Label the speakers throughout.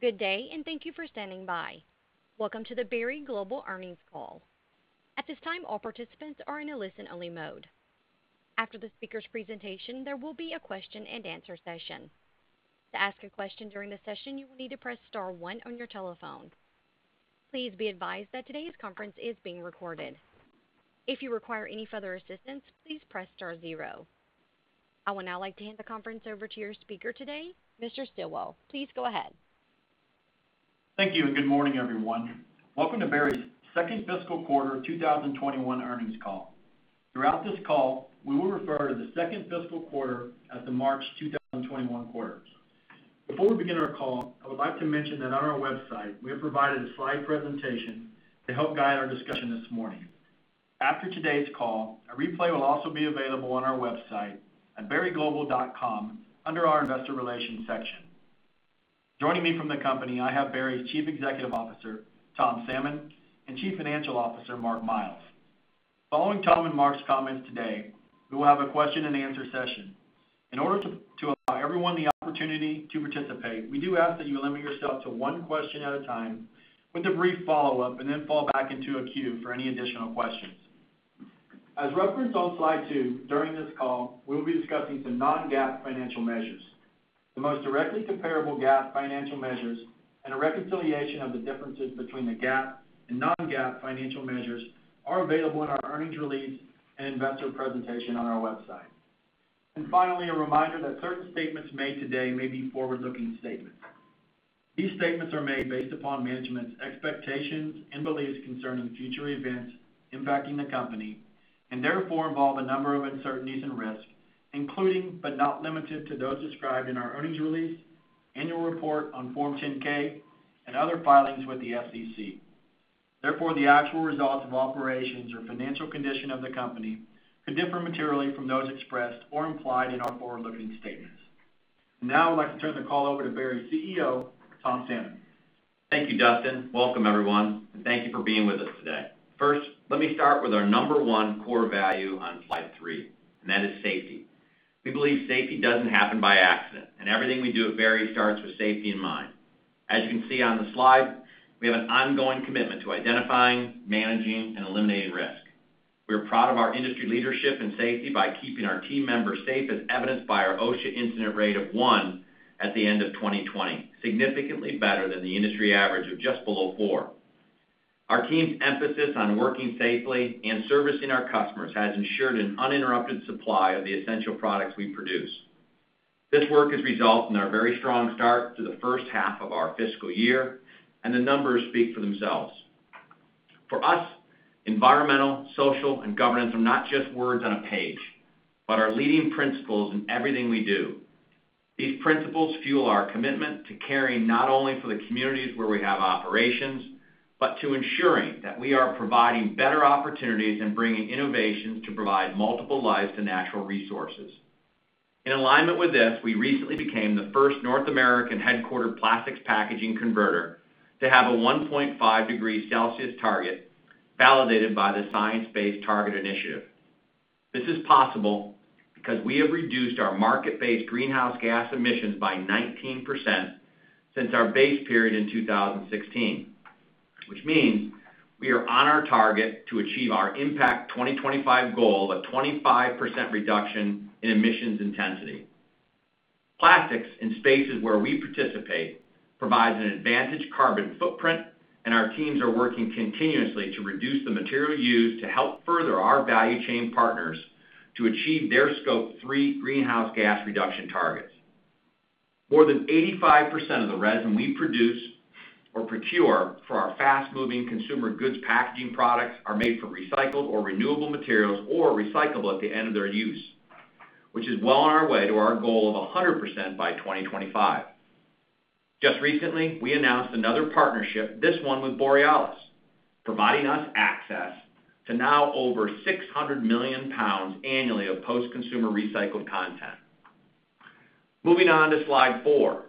Speaker 1: Good day and thank you for standing by. Welcome to the Berry Global Earnings Call. At this time, all participants are in a listen-only mode. After the speaker's presentation, there will be a questions and answer session. To ask a question during the session, you will need to press star one on your telephone. Please be advised that today's conference is being recorded. If you require any further assistance, please press star zero. I would now like to hand the conference over to your speaker today, Mr. Stilwell. Please go ahead.
Speaker 2: Thank you. Good morning, everyone. Welcome to Berry's second fiscal quarter 2021 earnings call. Throughout this call, we will refer to the second fiscal quarter as the March 2021 quarter. Before we begin our call, I would like to mention that on our website, we have provided a slide presentation to help guide our discussion this morning. After today's call, a replay will also be available on our website at berryglobal.com under our investor relations section. Joining me from the company, I have Berry's Chief Executive Officer, Tom Salmon, and Chief Financial Officer, Mark Miles. Following Tom and Mark's comments today, we will have a question and answer session. In order to allow everyone the opportunity to participate, we do ask that you limit yourself to one question at a time with a brief follow-up, and then fall back into a queue for any additional questions. As referenced on slide two, during this call, we will be discussing some non-GAAP financial measures. The most directly comparable GAAP financial measures, and a reconciliation of the differences between the GAAP and non-GAAP financial measures are available in our earnings release and investor presentation on our website. Finally, a reminder that certain statements made today may be forward-looking statements. These statements are made based upon management's expectations and beliefs concerning future events impacting the company, and therefore, involve a number of uncertainties and risks, including, but not limited to, those described in our earnings release, annual report on Form 10-K, and other filings with the SEC. Therefore, the actual results of operations or financial condition of the company could differ materially from those expressed or implied in our forward-looking statements. Now, I'd like to turn the call over to Berry's CEO, Tom Salmon.
Speaker 3: Thank you, Dustin. Welcome, everyone, thank you for being with us today. First, let me start with our number one core value on slide three, and that is safety. We believe safety doesn't happen by accident, and everything we do at Berry starts with safety in mind. As you can see on the slide, we have an ongoing commitment to identifying, managing, and eliminating risk. We are proud of our industry leadership in safety by keeping our team members safe, as evidenced by our OSHA incident rate of one at the end of 2020, significantly better than the industry average of just below four. Our team's emphasis on working safely and servicing our customers has ensured an uninterrupted supply of the essential products we produce. This work has resulted in our very strong start to the first half of our fiscal year, the numbers speak for themselves. For us, environmental, social, and governance are not just words on a page, but are leading principles in everything we do. These principles fuel our commitment to caring not only for the communities where we have operations, but to ensuring that we are providing better opportunities and bringing innovations to provide multiple lives to natural resources. In alignment with this, we recently became the first North American headquartered plastics packaging converter to have a 1.5 degree Celsius target validated by the Science Based Targets initiative. This is possible because we have reduced our market-based greenhouse gas emissions by 19% since our base period in 2016, which means we are on our target to achieve our Impact 2025 goal of 25% reduction in emissions intensity. Plastics in spaces where we participate provides an advantage carbon footprint, and our teams are working continuously to reduce the material used to help further our value chain partners to achieve their Scope 3 greenhouse gas reduction targets. More than 85% of the resin we produce or procure for our fast-moving consumer goods packaging products are made from recycled or renewable materials or recyclable at the end of their use, which is well on our way to our goal of 100% by 2025. Just recently, we announced another partnership, this one with Borealis, providing us access to now over 600 million pounds annually of post-consumer recycled content. Moving on to slide four,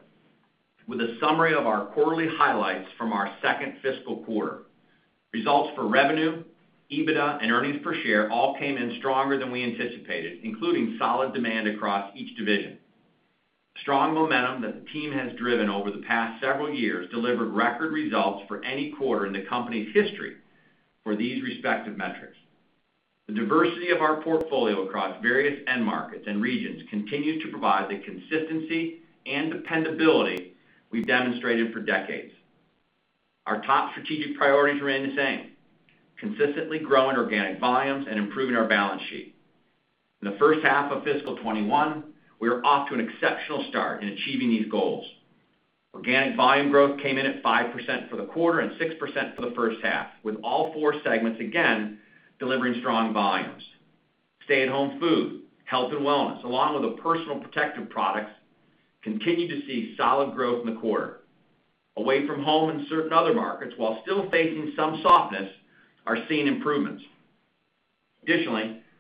Speaker 3: with a summary of our quarterly highlights from our second fiscal quarter. Results for revenue, EBITDA, and earnings per share all came in stronger than we anticipated, including solid demand across each division. The strong momentum that the team has driven over the past several years delivered record results for any quarter in the company's history for these respective metrics. The diversity of our portfolio across various end markets and regions continues to provide the consistency and dependability we've demonstrated for decades. Our top strategic priorities remain the same, consistently growing organic volumes and improving our balance sheet. In the first half of fiscal 2021, we are off to an exceptional start in achieving these goals. Organic volume growth came in at 5% for the quarter and 6% for the first half, with all four segments again delivering strong volumes. Stay-at-home food, health and wellness, along with personal protective products, continue to see solid growth in the quarter. Away from home and certain other markets, while still facing some softness, are seeing improvements.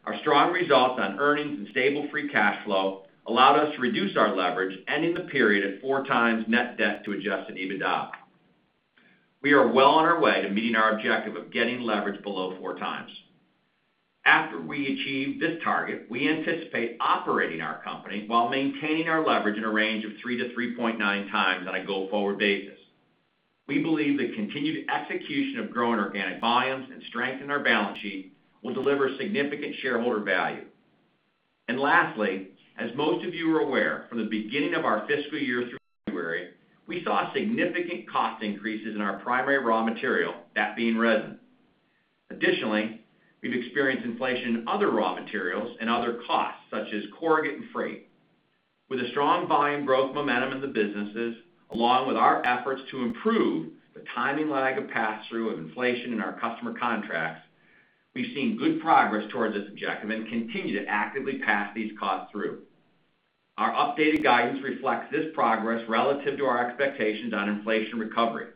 Speaker 3: Our strong results on earnings and stable free cash flow allowed us to reduce our leverage, ending the period at 4x net debt to adjusted EBITDA. We are well on our way to meeting our objective of getting leverage below 4x. After we achieve this target, we anticipate operating our company while maintaining our leverage in a range of 3-3.9x on a go-forward basis. We believe the continued execution of growing organic volumes and strength in our balance sheet will deliver significant shareholder value. Lastly, as most of you are aware, from the beginning of our fiscal year through February, we saw significant cost increases in our primary raw material, that being resin. We've experienced inflation in other raw materials and other costs such as corrugate and freight. With the strong volume growth momentum in the businesses, along with our efforts to improve the timing lag of pass-through of inflation in our customer contracts, we've seen good progress towards this objective and continue to actively pass these costs through. Our updated guidance reflects this progress relative to our expectations on inflation recovery.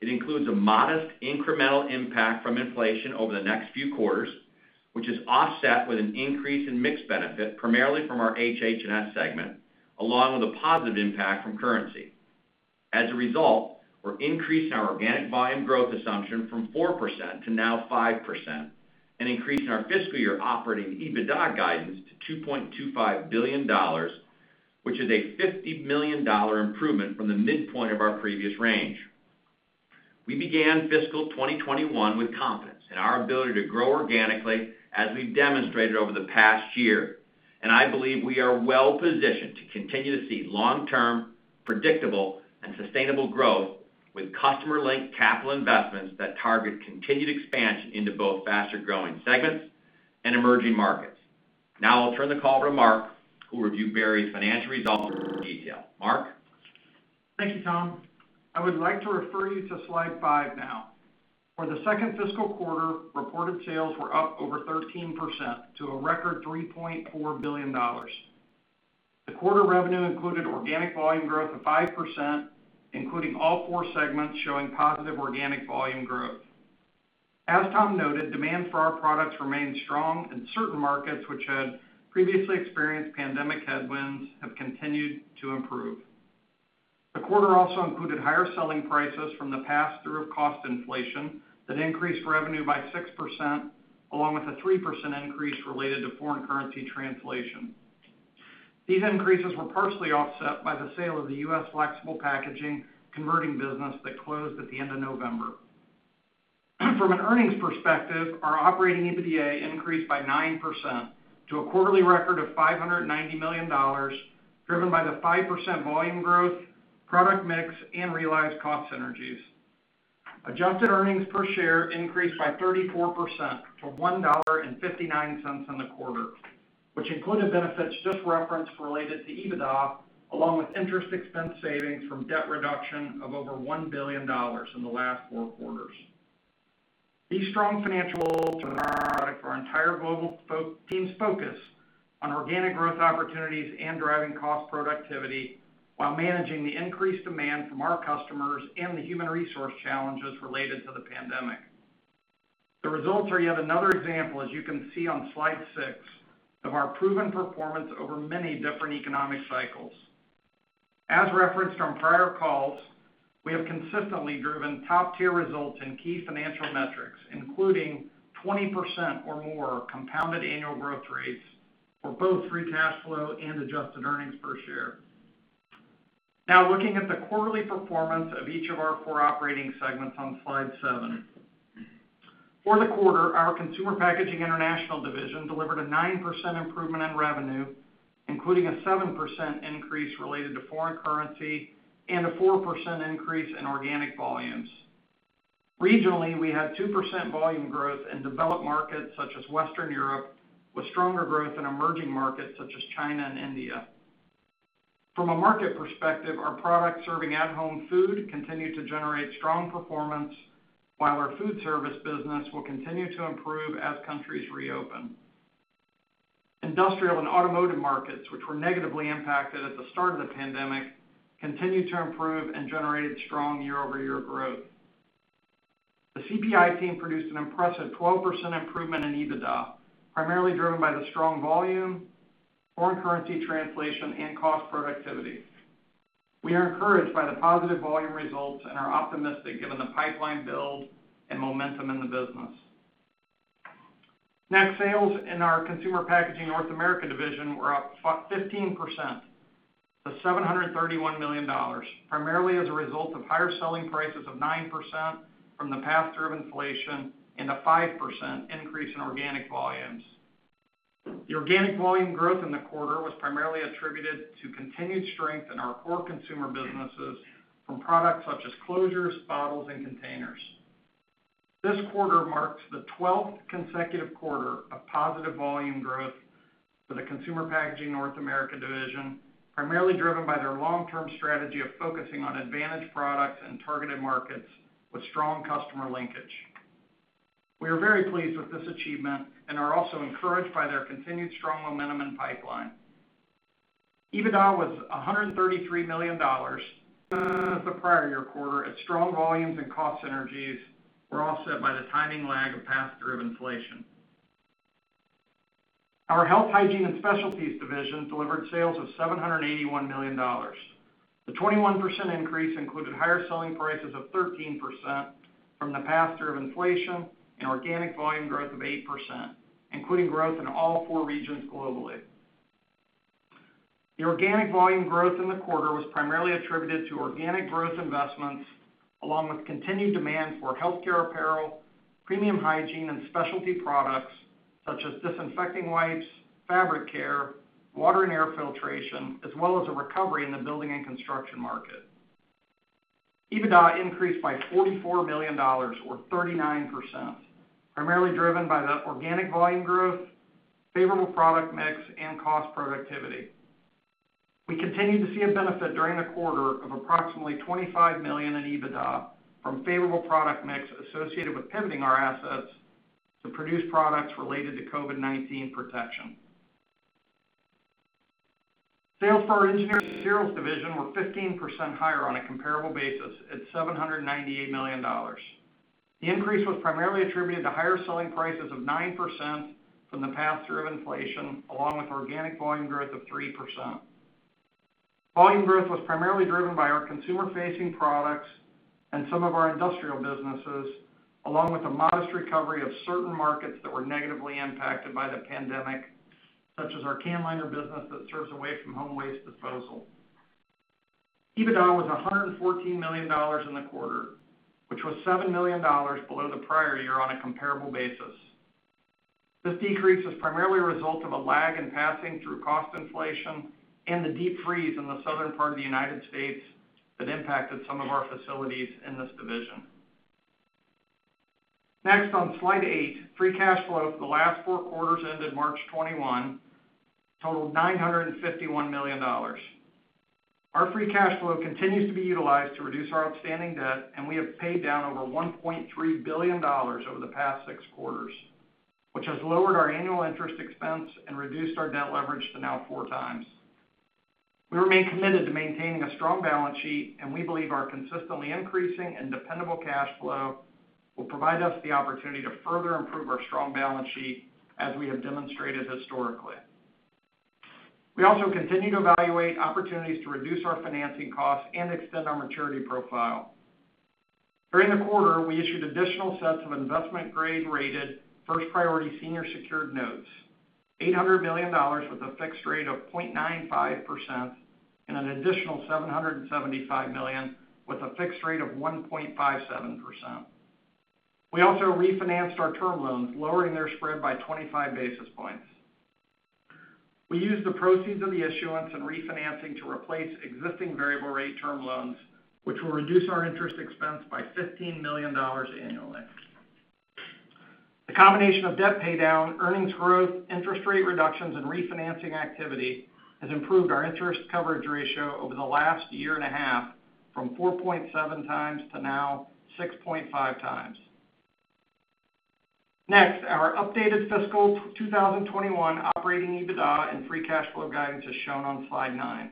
Speaker 3: It includes a modest incremental impact from inflation over the next few quarters, which is offset with an increase in mix benefit, primarily from our HH&S segment, along with a positive impact from currency. As a result, we're increasing our organic volume growth assumption from 4% to now 5%, and increasing our fiscal year operating EBITDA guidance to $2.25 billion, which is a $50 million improvement from the midpoint of our previous range. We began fiscal 2021 with confidence in our ability to grow organically as we've demonstrated over the past year. I believe we are well-positioned to continue to see long-term, predictable, and sustainable growth with customer-linked capital investments that target continued expansion into both faster-growing segments and emerging markets. Now I'll turn the call over to Mark, who will review Berry's financial results in more detail. Mark?
Speaker 4: Thank you, Tom. I would like to refer you to slide five now. For the second fiscal quarter, reported sales were up over 13% to a record $3.4 billion. The quarter revenue included organic volume growth of 5%, including all four segments showing positive organic volume growth. As Tom noted, demand for our products remained strong in certain markets which had previously experienced pandemic headwinds have continued to improve. The quarter also included higher selling prices from the pass-through of cost inflation that increased revenue by 6%, along with a 3% increase related to foreign currency translation. These increases were partially offset by the sale of the US Flexible Packaging converting business that closed at the end of November. From an earnings perspective, our operating EBITDA increased by 9% to a quarterly record of $590 million, driven by the 5% volume growth, product mix, and realized cost synergies. Adjusted earnings per share increased by 34% to $1.59 in the quarter, which included benefits just referenced related to EBITDA, along with interest expense savings from debt reduction of over $1 billion in the last four quarters. These strong financials are a product of our entire global team's focus on organic growth opportunities and driving cost productivity while managing the increased demand from our customers and the human resource challenges related to the pandemic. The results are yet another example, as you can see on slide six, of our proven performance over many different economic cycles. As referenced on prior calls, we have consistently driven top-tier results in key financial metrics, including 20% or more compounded annual growth rates for both free cash flow and adjusted earnings per share. Now looking at the quarterly performance of each of our four operating segments on slide seven. For the quarter, our Consumer Packaging – International division delivered a 9% improvement in revenue, including a 7% increase related to foreign currency and a 4% increase in organic volumes. Regionally, we had 2% volume growth in developed markets such as Western Europe, with stronger growth in emerging markets such as China and India. From a market perspective, our product serving at-home food continued to generate strong performance, while our food service business will continue to improve as countries reopen. Industrial and automotive markets, which were negatively impacted at the start of the pandemic, continued to improve and generated strong year-over-year growth. The CPI team produced an impressive 12% improvement in EBITDA, primarily driven by the strong volume, foreign currency translation, and cost productivity. We are encouraged by the positive volume results and are optimistic given the pipeline build and momentum in the business. Next, sales in our Consumer Packaging – North America division were up 15% to $731 million, primarily as a result of higher selling prices of 9% from the pass-through of inflation and a 5% increase in organic volumes. The organic volume growth in the quarter was primarily attributed to continued strength in our core consumer businesses from products such as closures, bottles, and containers. This quarter marks the 12th consecutive quarter of positive volume growth for the Consumer Packaging – North America division, primarily driven by their long-term strategy of focusing on advantage products and targeted markets with strong customer linkage. We are very pleased with this achievement and are also encouraged by their continued strong momentum and pipeline. EBITDA was $133 million, the prior year quarter as strong volumes and cost synergies were offset by the timing lag of pass-through of inflation. Our Health, Hygiene & Specialties division delivered sales of $781 million. The 21% increase included higher selling prices of 13% from the pass-through of inflation and organic volume growth of 8%, including growth in all four regions globally. The organic volume growth in the quarter was primarily attributed to organic growth investments, along with continued demand for healthcare apparel, premium hygiene and specialty products such as disinfecting wipes, fabric care, water and air filtration, as well as a recovery in the building and construction market. EBITDA increased by $44 million or 39%, primarily driven by the organic volume growth, favorable product mix, and cost productivity. We continued to see a benefit during the quarter of approximately $25 million in EBITDA from favorable product mix associated with pivoting our assets to produce products related to COVID-19 protection. Sales for our Engineered Materials division were 15% higher ona comparable basis at $798 million. The increase was primarily attributed to higher selling prices of 9% from the pass-through of inflation, along with organic volume growth of 3%. Volume growth was primarily driven by our consumer-facing products and some of our industrial businesses, along with a modest recovery of certain markets that were negatively impacted by the pandemic, such as our can liner business that serves away-from-home waste disposal. EBITDA was $114 million in the quarter, which was $7 million below the prior year on a comparable basis. This decrease was primarily a result of a lag in passing through cost inflation and the deep freeze in the southern part of the United States that impacted some of our facilities in this division. Next, on slide eight, free cash flow for the last four quarters ended March 21 totaled $951 million. Our free cash flow continues to be utilized to reduce our outstanding debt, and we have paid down over $1.3 billion over the past six quarters, which has lowered our annual interest expense and reduced our debt leverage to now 4x. We remain committed to maintaining a strong balance sheet. We believe our consistently increasing and dependable cash flow will provide us the opportunity to further improve our strong balance sheet as we have demonstrated historically. We also continue to evaluate opportunities to reduce our financing costs and extend our maturity profile. During the quarter, we issued additional sets of investment grade-rated, first priority senior secured notes, $800 million with a fixed rate of 0.95% and an additional $775 million with a fixed rate of 1.57%. We also refinanced our term loans, lowering their spread by 25 basis points. We used the proceeds of the issuance and refinancing to replace existing variable rate term loans, which will reduce our interest expense by $15 million annually. The combination of debt paydown, earnings growth, interest rate reductions, and refinancing activity has improved our interest coverage ratio over the last year and a half from 4.7x to now 6.5x. Next, our updated fiscal 2021 operating EBITDA and free cash flow guidance is shown on slide nine.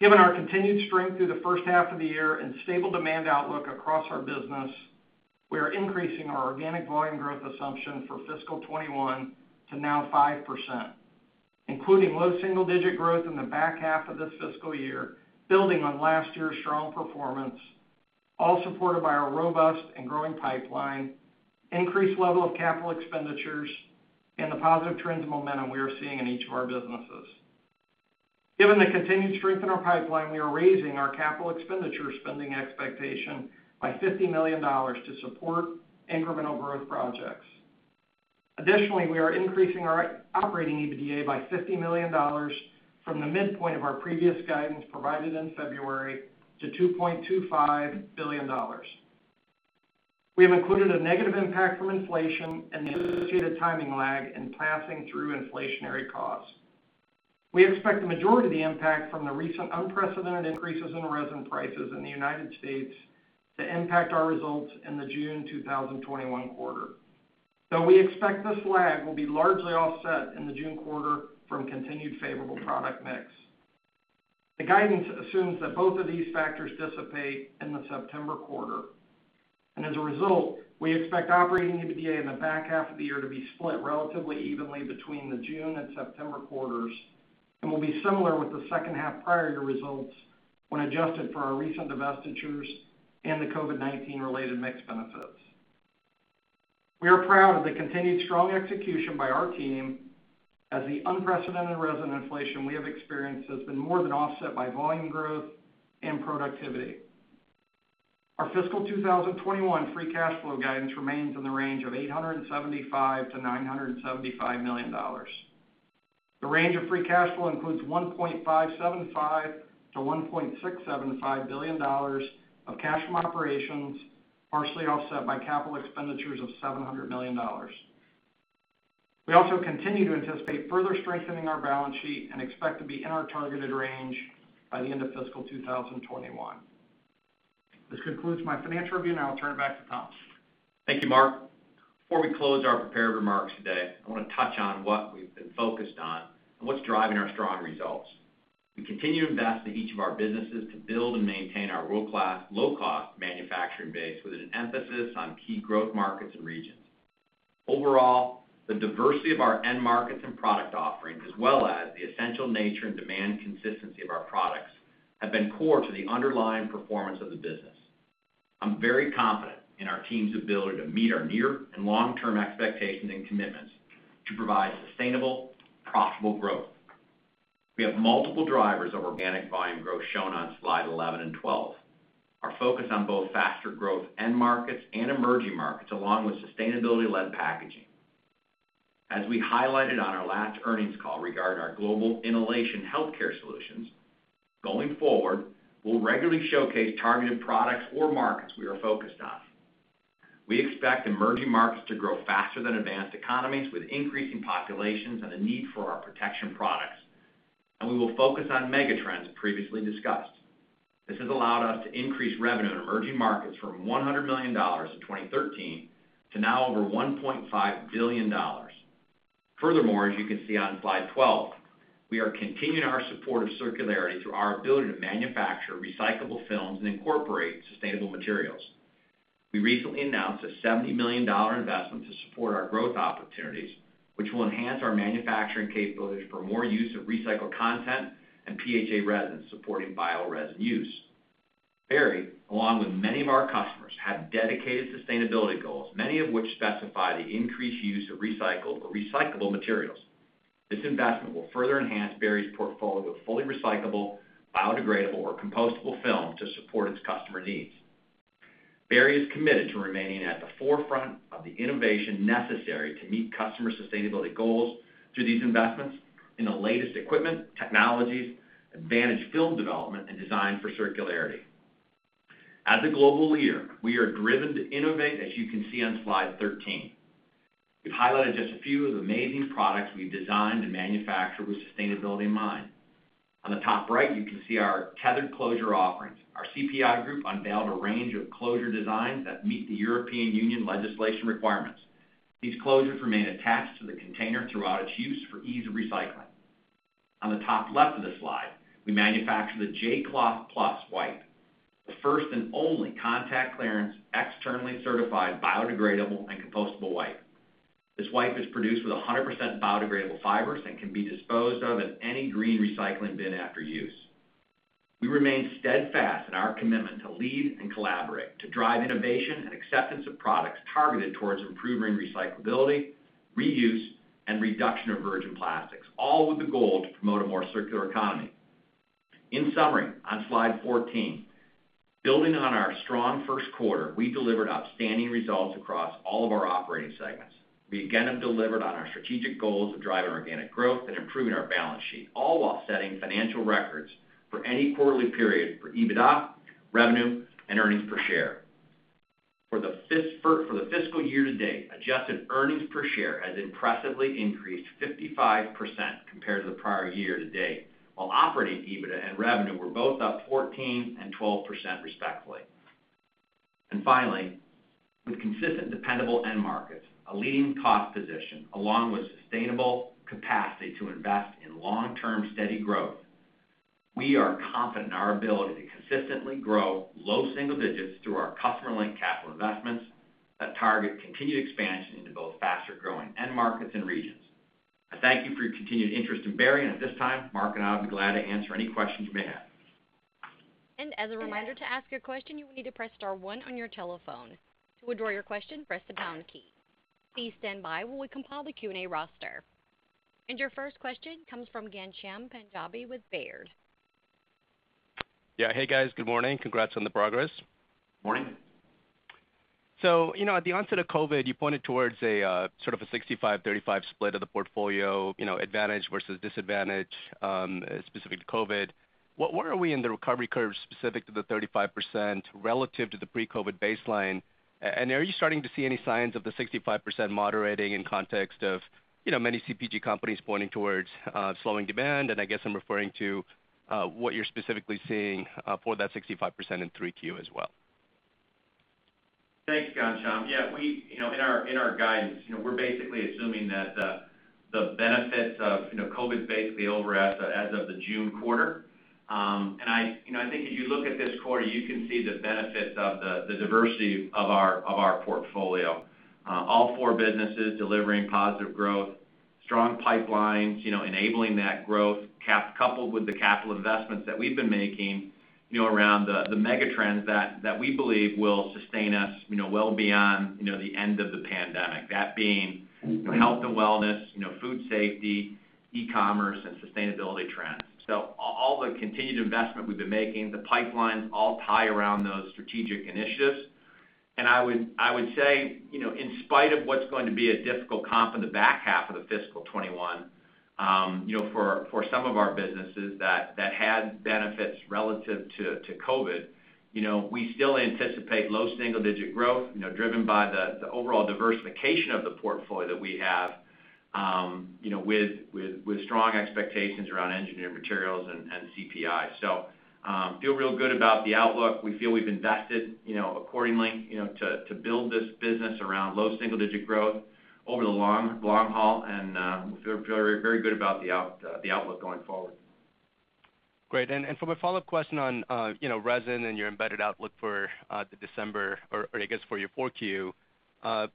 Speaker 4: Given our continued strength through the first half of the year and stable demand outlook across our business, we are increasing our organic volume growth assumption for fiscal 2021 to now 5%, including low single-digit growth in the back half of this fiscal year, building on last year's strong performance, all supported by our robust and growing pipeline, increased level of capital expenditures, and the positive trends and momentum we are seeing in each of our businesses. Given the continued strength in our pipeline, we are raising our capital expenditure spending expectation by $50 million to support incremental growth projects. Additionally, we are increasing our operating EBITDA by $50 million from the midpoint of our previous guidance provided in February to $2.25 billion. We have included a negative impact from inflation and the associated timing lag in passing through inflationary costs. We expect the majority of the impact from the recent unprecedented increases in resin prices in the United States to impact our results in the June 2021 quarter. Though we expect this lag will be largely offset in the June quarter from continued favorable product mix. The guidance assumes that both of these factors dissipate in the September quarter. As a result, we expect operating EBITDA in the back half of the year to be split relatively evenly between the June and September quarters and will be similar with the second half prior year results when adjusted for our recent divestitures and the COVID-19 related mix benefits. We are proud of the continued strong execution by our team, as the unprecedented resin inflation we have experienced has been more than offset by volume growth and productivity. Our fiscal 2021 free cash flow guidance remains in the range of $875 million-$975 million. The range of free cash flow includes $1.575 billion-$1.675 billion of cash from operations, partially offset by capital expenditures of $700 million. We also continue to anticipate further strengthening our balance sheet and expect to be in our targeted range by the end of fiscal 2021. This concludes my financial review, I'll turn it back to Tom.
Speaker 3: Thank you, Mark. Before we close our prepared remarks today, I want to touch on what we've been focused on and what's driving our strong results. We continue to invest in each of our businesses to build and maintain our world-class, low-cost manufacturing base with an emphasis on key growth markets and regions. Overall, the diversity of our end markets and product offerings, as well as the essential nature and demand consistency of our products, have been core to the underlying performance of the business. I'm very confident in our team's ability to meet our near and long-term expectations and commitments to provide sustainable, profitable growth. We have multiple drivers of organic volume growth shown on slide 11 and 12. Our focus on both faster growth end markets and emerging markets, along with sustainability-led packaging. As we highlighted on our last earnings call regarding our global inhalation healthcare solutions, going forward, we'll regularly showcase targeted products or markets we are focused on. We expect emerging markets to grow faster than advanced economies, with increasing populations and a need for our protection products. We will focus on mega trends previously discussed. This has allowed us to increase revenue in emerging markets from $100 million in 2013 to now over $1.5 billion. Furthermore, as you can see on slide 12, we are continuing our support of circularity through our ability to manufacture recyclable films and incorporate sustainable materials. We recently announced a $70 million investment to support our growth opportunities, which will enhance our manufacturing capabilities for more use of recycled content and PHA resin, supporting bioresin use. Berry, along with many of our customers, have dedicated sustainability goals, many of which specify the increased use of recycled or recyclable materials. This investment will further enhance Berry's portfolio of fully recyclable, biodegradable, or compostable film to support its customer needs. Berry is committed to remaining at the forefront of the innovation necessary to meet customer sustainability goals through these investments in the latest equipment, technologies, advantage film development, and design for circularity. As a global leader, we are driven to innovate, as you can see on slide 13. We've highlighted just a few of the amazing products we've designed and manufactured with sustainability in mind. On the top right, you can see our tethered closure offerings. Our CPI group unveiled a range of closure designs that meet the European Union legislation requirements. These closures remain attached to the container throughout its use for ease of recycling. On the top left of the slide, we manufacture the J-Cloth Plus wipe, the first and only food contact externally certified biodegradable and compostable wipe. This wipe is produced with 100% biodegradable fibers and can be disposed of in any green recycling bin after use. We remain steadfast in our commitment to lead and collaborate, to drive innovation and acceptance of products targeted towards improving recyclability, reuse, and reduction of virgin plastics, all with the goal to promote a more circular economy. In summary, on slide 14, building on our strong first quarter, we delivered outstanding results across all of our operating segments. We again have delivered on our strategic goals of driving organic growth and improving our balance sheet, all while setting financial records for any quarterly period for EBITDA, revenue, and earnings per share. For the fiscal year to date, adjusted earnings per share has impressively increased 55% compared to the prior year to date, while operating EBITDA and revenue were both up 14% and 12%, respectively. Finally, with consistent dependable end markets, a leading cost position, along with sustainable capacity to invest in long-term steady growth, we are confident in our ability to consistently grow low single digits through our customer-linked capital investments that target continued expansion into both faster-growing end markets and regions. I thank you for your continued interest in Berry, and at this time, Mark and I will be glad to answer any questions you may have.
Speaker 1: As a reminder to ask your question, you will need to press star one on your telephone. To withdraw your question, press the pound key. Please stand by while we compile the Q&A roster. Your first question comes from Ghansham Panjabi with Baird.
Speaker 5: Yeah. Hey, guys. Good morning. Congrats on the progress.
Speaker 3: Morning.
Speaker 5: At the onset of COVID, you pointed towards a sort of a 65/35 split of the portfolio, advantage versus disadvantage, specific to COVID. Where are we in the recovery curve specific to the 35% relative to the pre-COVID baseline? Are you starting to see any signs of the 65% moderating in context of many CPG companies pointing towards slowing demand? I guess I'm referring to what you're specifically seeing for that 65% in 3Q as well.
Speaker 3: Thanks, Ghansham. Yeah, in our guidance, we're basically assuming that the benefits of COVID is basically over as of the June quarter. I think if you look at this quarter, you can see the benefits of the diversity of our portfolio. All four businesses delivering positive growth, strong pipelines enabling that growth, coupled with the capital investments that we've been making around the mega trends that we believe will sustain us well beyond the end of the pandemic, that being health and wellness, food safety, e-commerce, and sustainability trends. All the continued investment we've been making, the pipelines all tie around those strategic initiatives. I would say, in spite of what's going to be a difficult comp in the back half of the fiscal 2021, for some of our businesses that had benefits relative to COVID, we still anticipate low single-digit growth driven by the overall diversification of the portfolio that we have with strong expectations around Engineered Materials and CPI. Feel real good about the outlook. We feel we've invested accordingly to build this business around low single-digit growth over the long haul, and we feel very good about the outlook going forward.
Speaker 5: Great. For my follow-up question on resin and your embedded outlook for the December, or I guess for your 4Q, can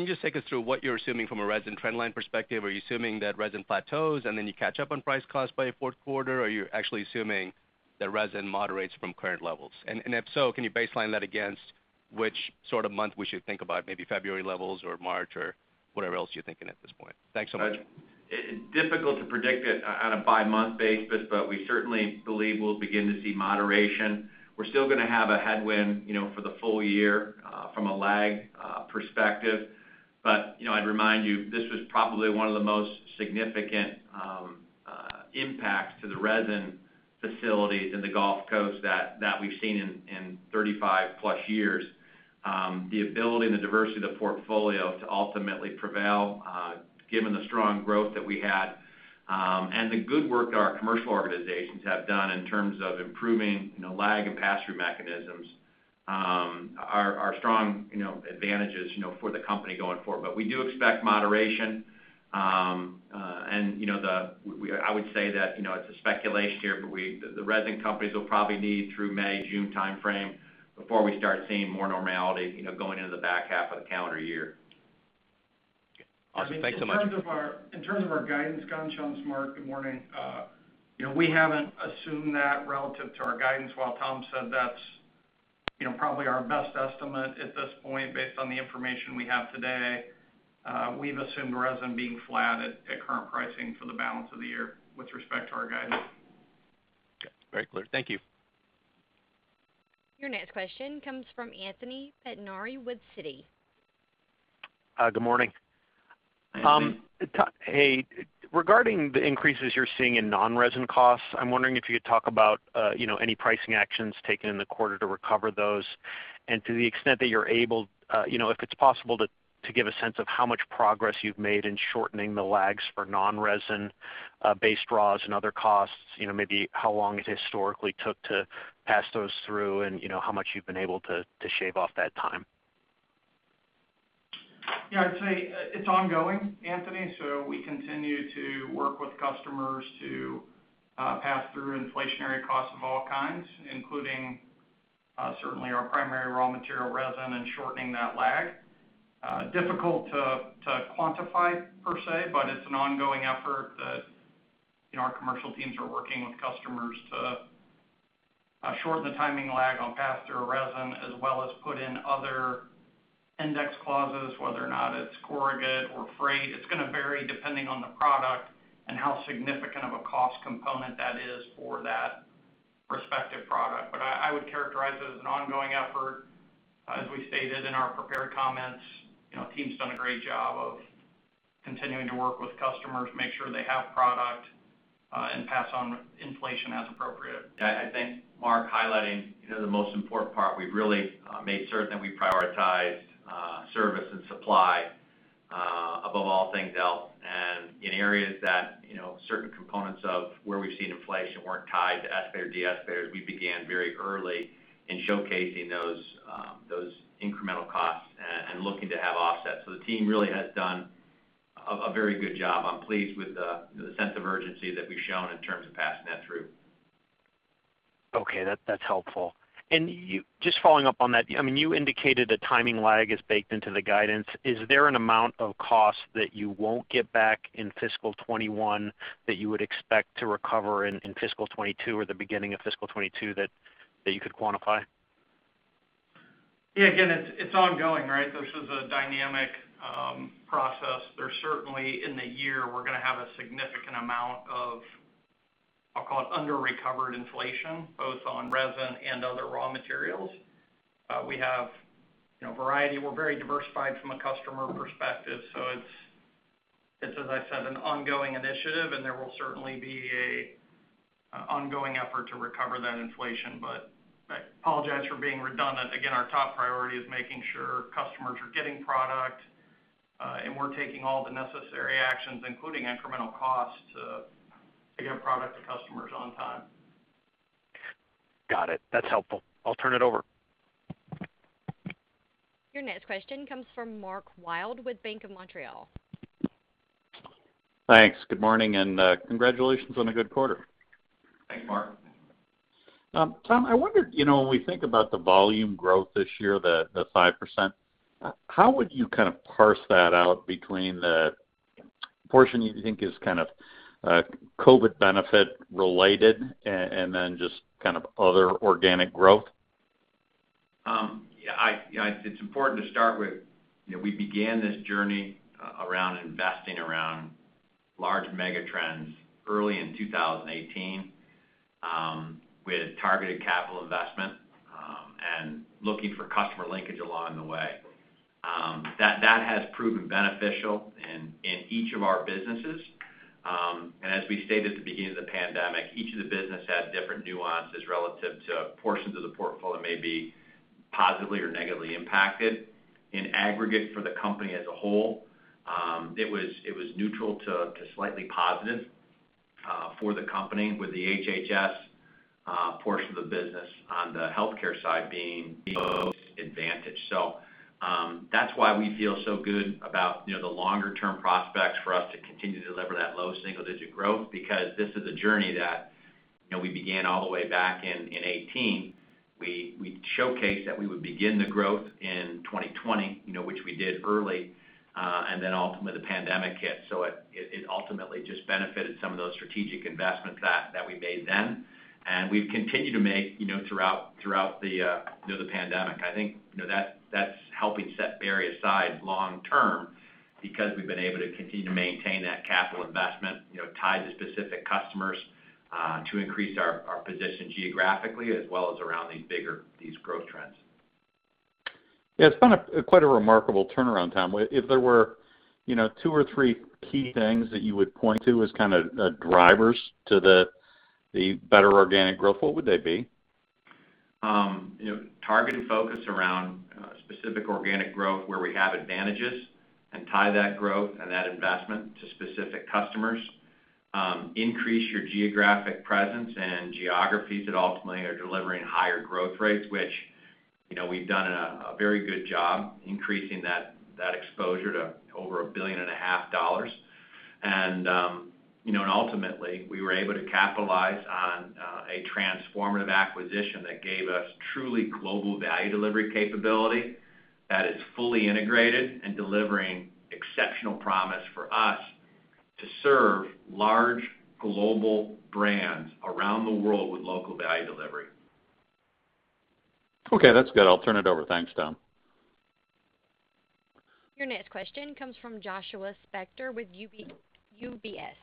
Speaker 5: you just take us through what you're assuming from a resin trend line perspective? Are you assuming that resin plateaus and then you catch up on price cost by the fourth quarter? Are you actually assuming that resin moderates from current levels? If so, can you baseline that against which sort of month we should think about, maybe February levels or March or whatever else you're thinking at this point? Thanks so much.
Speaker 3: It's difficult to predict it on a bi-month basis, but we certainly believe we'll begin to see moderation. We're still going to have a headwind for the full year from a lag perspective. I'd remind you, this was probably one of the most significant impacts to the resin facilities in the Gulf Coast that we've seen in 35-plus years. The ability and the diversity of the portfolio to ultimately prevail given the strong growth that we had, and the good work that our commercial organizations have done in terms of improving lag and pass-through mechanisms are strong advantages for the company going forward. We do expect moderation. I would say that it's a speculation here, but the resin companies will probably need through May, June timeframe before we start seeing more normality going into the back half of the calendar year.
Speaker 5: Awesome. Thanks so much.
Speaker 4: In terms of our guidance, Ghansham, it's Mark. Good morning. We haven't assumed that relative to our guidance, Tom said that's probably our best estimate at this point based on the information we have today. We've assumed resin being flat at current pricing for the balance of the year with respect to our guidance.
Speaker 5: Okay. Very clear. Thank you.
Speaker 1: Your next question comes from Anthony Pettinari with Citi.
Speaker 6: Good morning.
Speaker 3: Good morning.
Speaker 6: Hey, regarding the increases you're seeing in non-resin costs, I'm wondering if you could talk about any pricing actions taken in the quarter to recover those? To the extent that you're able, if it's possible to give a sense of how much progress you've made in shortening the lags for non-resin based raws and other costs, maybe how long it historically took to pass those through and how much you've been able to shave off that time?
Speaker 4: Yeah, I'd say it's ongoing, Anthony. We continue to work with customers to pass through inflationary costs of all kinds, including certainly our primary raw material resin and shortening that lag. Difficult to quantify per se, it's an ongoing effort that our commercial teams are working with customers to shorten the timing lag on pass-through resin, as well as put in other index clauses, whether or not it's corrugate or freight. It's going to vary depending on the product and how significant of a cost component that is for that respective product. I would characterize it as an ongoing effort. As we stated in our prepared comments, team's done a great job of continuing to work with customers, make sure they have product, and pass on inflation as appropriate.
Speaker 3: Yeah, I think Mark highlighting the most important part. We've really made certain that we prioritize service and supply above all things else. In areas that certain components of where we've seen inflation weren't tied to escalators or de-escalators, we began very early in showcasing those incremental costs and looking to have offsets. The team really has done a very good job. I'm pleased with the sense of urgency that we've shown in terms of passing that through.
Speaker 6: Okay. That's helpful. Just following up on that, you indicated a timing lag is baked into the guidance. Is there an amount of cost that you won't get back in fiscal 2021 that you would expect to recover in fiscal 2022 or the beginning of fiscal 2022 that you could quantify?
Speaker 4: Yeah, again, it's ongoing, right? This is a dynamic process. There's certainly in the year, we're going to have a significant amount of, I'll call it under-recovered inflation, both on resin and other raw materials. We have a variety. We're very diversified from a customer perspective. It's, as I said, an ongoing initiative, and there will certainly be an ongoing effort to recover that inflation. I apologize for being redundant. Again, our top priority is making sure customers are getting product, and we're taking all the necessary actions, including incremental costs to get product to customers on time.
Speaker 6: Got it. That's helpful. I'll turn it over.
Speaker 1: Your next question comes from Mark Wilde with Bank of Montreal.
Speaker 7: Thanks. Good morning, and congratulations on a good quarter.
Speaker 3: Thanks, Mark.
Speaker 7: Tom, I wondered, when we think about the volume growth this year, the 5%, how would you kind of parse that out between the portion you think is kind of COVID benefit related and then just kind of other organic growth?
Speaker 3: It's important to start with we began this journey around investing around large mega trends early in 2018 with targeted capital investment and looking for customer linkage along the way. That has proven beneficial in each of our businesses. As we stated at the beginning of the pandemic, each of the business has different nuances relative to portions of the portfolio that may be positively or negatively impacted. In aggregate for the company as a whole, it was neutral to slightly positive for the company with the HH&S portion of the business on the healthcare side being advantage. That's why we feel so good about the longer-term prospects for us to continue to deliver that low single-digit growth, because this is a journey that we began all the way back in 2018. We showcased that we would begin the growth in 2020, which we did early, and then ultimately the pandemic hit. It ultimately just benefited some of those strategic investments that we made then and we've continued to make throughout the pandemic. I think that's helping set Berry aside long term because we've been able to continue to maintain that capital investment, tied to specific customers, to increase our position geographically as well as around these growth trends.
Speaker 7: Yeah. It's been quite a remarkable turnaround time. If there were two or three key things that you would point to as kind of drivers to the better organic growth, what would they be?
Speaker 3: Targeted focus around specific organic growth where we have advantages, tie that growth and that investment to specific customers. Increase your geographic presence and geographies that ultimately are delivering higher growth rates, which we've done a very good job increasing that exposure to over a billion and a half dollars. Ultimately, we were able to capitalize on a transformative acquisition that gave us truly global value delivery capability that is fully integrated and delivering exceptional promise for us to serve large global brands around the world with local value delivery.
Speaker 7: Okay, that's good. I'll turn it over. Thanks, Tom.
Speaker 1: Your next question comes from Joshua Spector with UBS.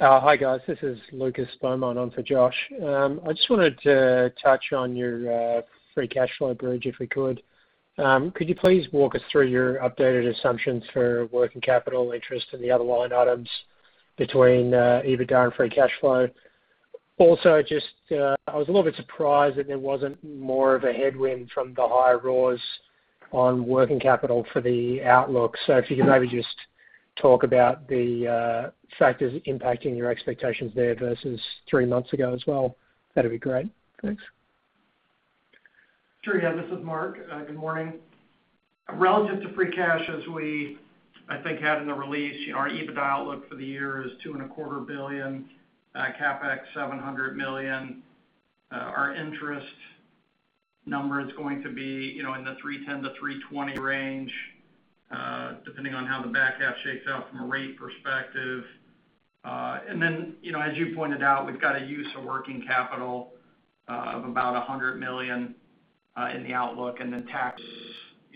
Speaker 8: Hi, guys. This is Lucas Stoneman on for Josh. I just wanted to touch on your free cash flow bridge, if we could. Could you please walk us through your updated assumptions for working capital interest and the other line items between EBITDA and free cash flow? I was a little bit surprised that there wasn't more of a headwind from the higher raws on working capital for the outlook. If you could maybe just talk about the factors impacting your expectations there versus three months ago as well, that'd be great. Thanks.
Speaker 4: Sure. Yeah. This is Mark. Good morning. Relative to free cash, as we, I think, had in the release, our EBITDA outlook for the year is $2.25 billion, CapEx $700 million. Our interest number is going to be in the $310 million-$320 million range, depending on how the back half shakes out from a rate perspective. Then, as you pointed out, we've got a use of working capital of about $100 million in the outlook, and then tax,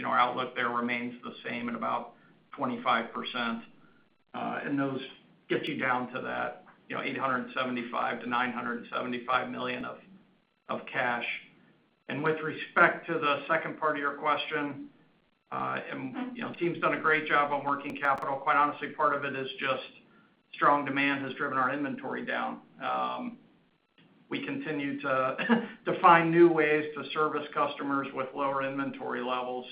Speaker 4: our outlook there remains the same at about 25%. Those get you down to that $875 million-$975 million of cash. With respect to the second part of your question, the team's done a great job on working capital. Quite honestly, part of it is just strong demand has driven our inventory down. We continue to find new ways to service customers with lower inventory levels.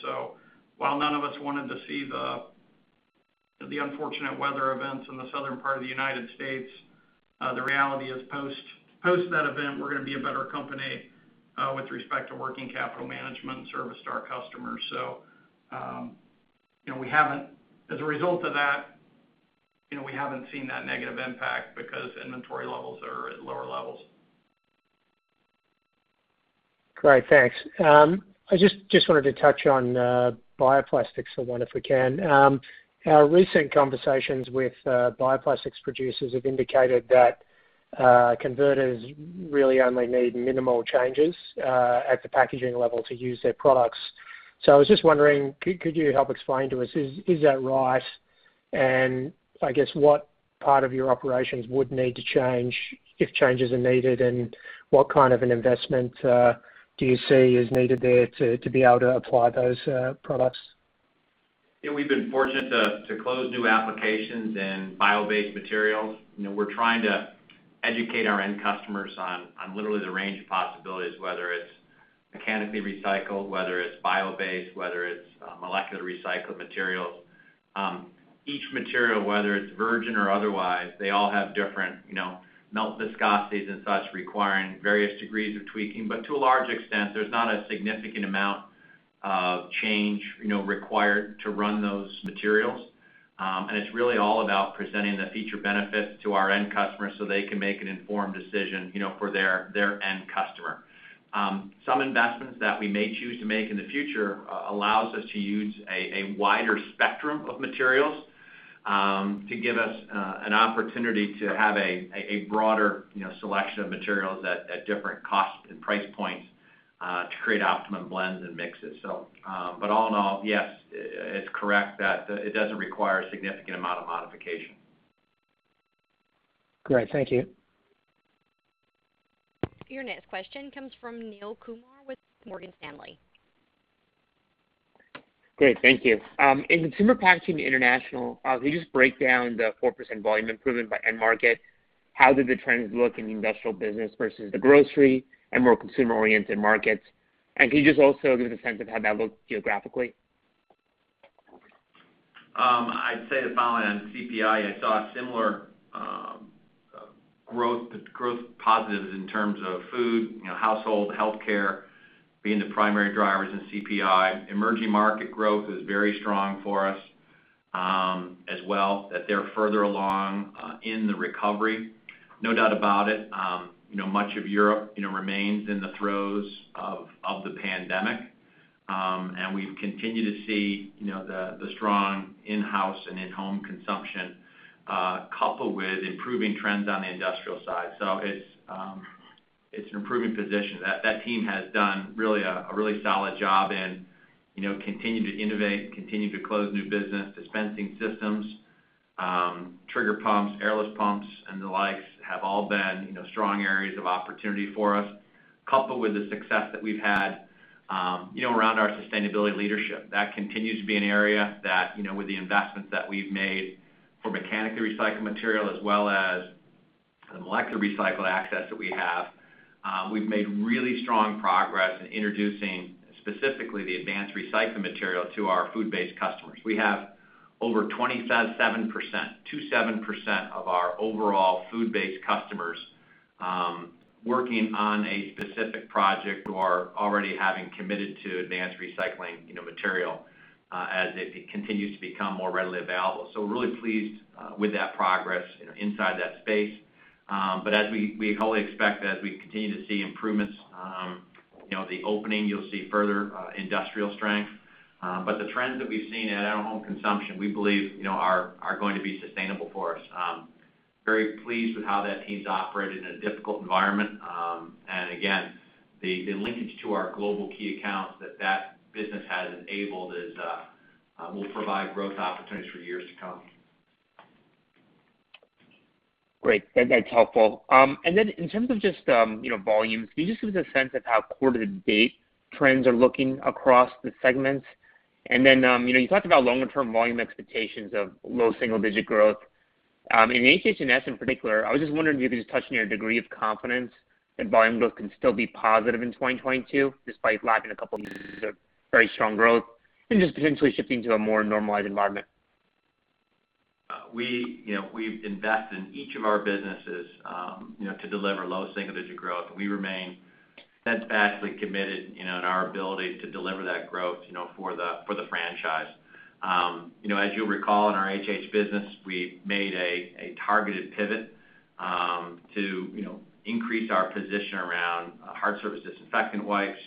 Speaker 4: While none of us wanted to see the unfortunate weather events in the southern part of the United States, the reality is post that event, we're going to be a better company, with respect to working capital management and service to our customers. As a result of that, we haven't seen that negative impact because inventory levels are at lower levels.
Speaker 8: Great. Thanks. I just wanted to touch on bioplastics for one, if we can. Our recent conversations with bioplastics producers have indicated that converters really only need minimal changes at the packaging level to use their products. I was just wondering, could you help explain to us, is that right? I guess what part of your operations would need to change if changes are needed, and what kind of an investment do you see is needed there to be able to apply those products?
Speaker 3: Yeah. We've been fortunate to close new applications in bio-based materials. We're trying to educate our end customers on literally the range of possibilities, whether it's mechanical recycling, whether it's bio-based, whether it's molecular recycling materials. Each material, whether it's virgin or otherwise, they all have different melt viscosities and such requiring various degrees of tweaking. To a large extent, there's not a significant amount of change required to run those materials. It's really all about presenting the feature benefits to our end customers so they can make an informed decision for their end customer. Some investments that we may choose to make in the future allows us to use a wider spectrum of materials, to give us an opportunity to have a broader selection of materials at different cost and price points to create optimum blends and mixes. All in all, yes, it's correct that it doesn't require a significant amount of modification.
Speaker 8: Great. Thank you.
Speaker 1: Your next question comes from Neel Kumar with Morgan Stanley.
Speaker 9: Great. Thank you. In Consumer Packaging – International, can you just break down the 4% volume improvement by end market? How did the trends look in the industrial business versus the grocery and more consumer-oriented markets? Can you just also give us a sense of how that looked geographically?
Speaker 3: I'd say the following on CPI. I saw similar growth positives in terms of food, household, healthcare being the primary drivers in CPI. Emerging market growth is very strong for us as well, that they're further along in the recovery. No doubt about it, much of Europe remains in the throes of the pandemic. We've continued to see the strong in-house and in-home consumption, coupled with improving trends on the industrial side. It's an improving position. That team has done a really solid job and continue to innovate, continue to close new business dispensing systems. Trigger pumps, airless pumps, and the likes have all been strong areas of opportunity for us, coupled with the success that we've had around our sustainability leadership. That continues to be an area that with the investments that we've made for mechanical recycling material, as well as the molecular recycling access that we have, we've made really strong progress in introducing specifically the advanced recycled material to our food-based customers. We have over 27% of our overall food-based customers working on a specific project who are already having committed to advanced recycling material as it continues to become more readily available. We're really pleased with that progress inside that space. As we wholly expect that as we continue to see improvements, the opening, you'll see further industrial strength. The trends that we've seen in our home consumption, we believe are going to be sustainable for us. We are very pleased with how that team's operated in a difficult environment. Again, the linkage to our global key accounts that that business has enabled will provide growth opportunities for years to come.
Speaker 9: Great. That's helpful. Then in terms of just volumes, can you just give us a sense of how quarter to date trends are looking across the segments? Then you talked about longer term volume expectations of low single-digit growth. In HH&S in particular, I was just wondering if you could just touch on your degree of confidence that volume growth can still be positive in 2022 despite lacking a couple of years of very strong growth and just potentially shifting to a more normalized environment?
Speaker 3: We invest in each of our businesses to deliver low single-digit growth. We remain steadfastly committed in our ability to deliver that growth for the franchise. As you'll recall, in our HH&S business, we made a targeted pivot to increase our position around hard surface disinfectant wipes.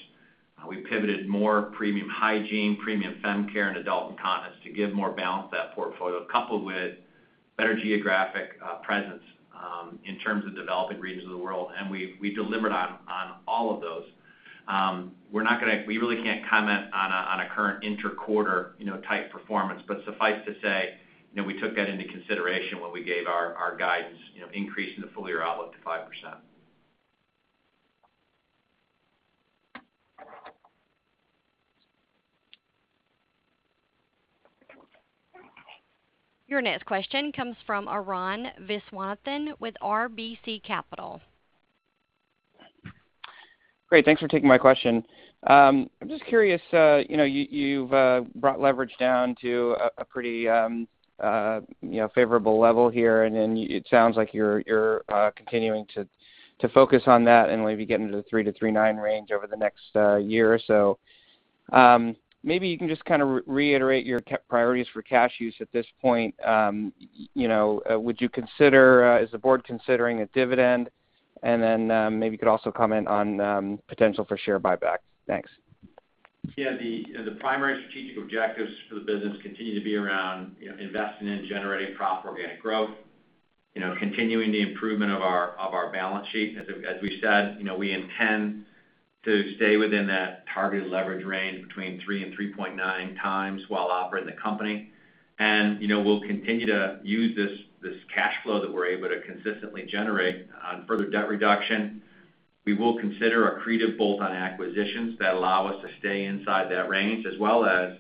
Speaker 3: We pivoted more premium hygiene, premium fem care, and adult incontinence to give more balance to that portfolio, coupled with better geographic presence in terms of developing regions of the world. We delivered on all of those. Suffice to say, we really can't comment on a current inter-quarter type performance, we took that into consideration when we gave our guidance, increasing the full year outlook to 5%.
Speaker 1: Your next question comes from Arun Viswanathan with RBC Capital Markets.
Speaker 10: Great. Thanks for taking my question. I'm just curious, you've brought leverage down to a pretty favorable level here, it sounds like you're continuing to focus on that and maybe getting to the 3 -3.9 range over the next year or so. Maybe you can just kind of reiterate your priorities for cash use at this point. Is the board considering a dividend? Maybe you could also comment on potential for share buyback. Thanks.
Speaker 3: Yeah, the primary strategic objectives for the business continue to be around investing in generating proper organic growth, continuing the improvement of our balance sheet. As we've said, we intend to stay within that targeted leverage range between three and 3.9x while operating the company. We'll continue to use this cash flow that we're able to consistently generate on further debt reduction. We will consider accretive bolt-on acquisitions that allow us to stay inside that range as well as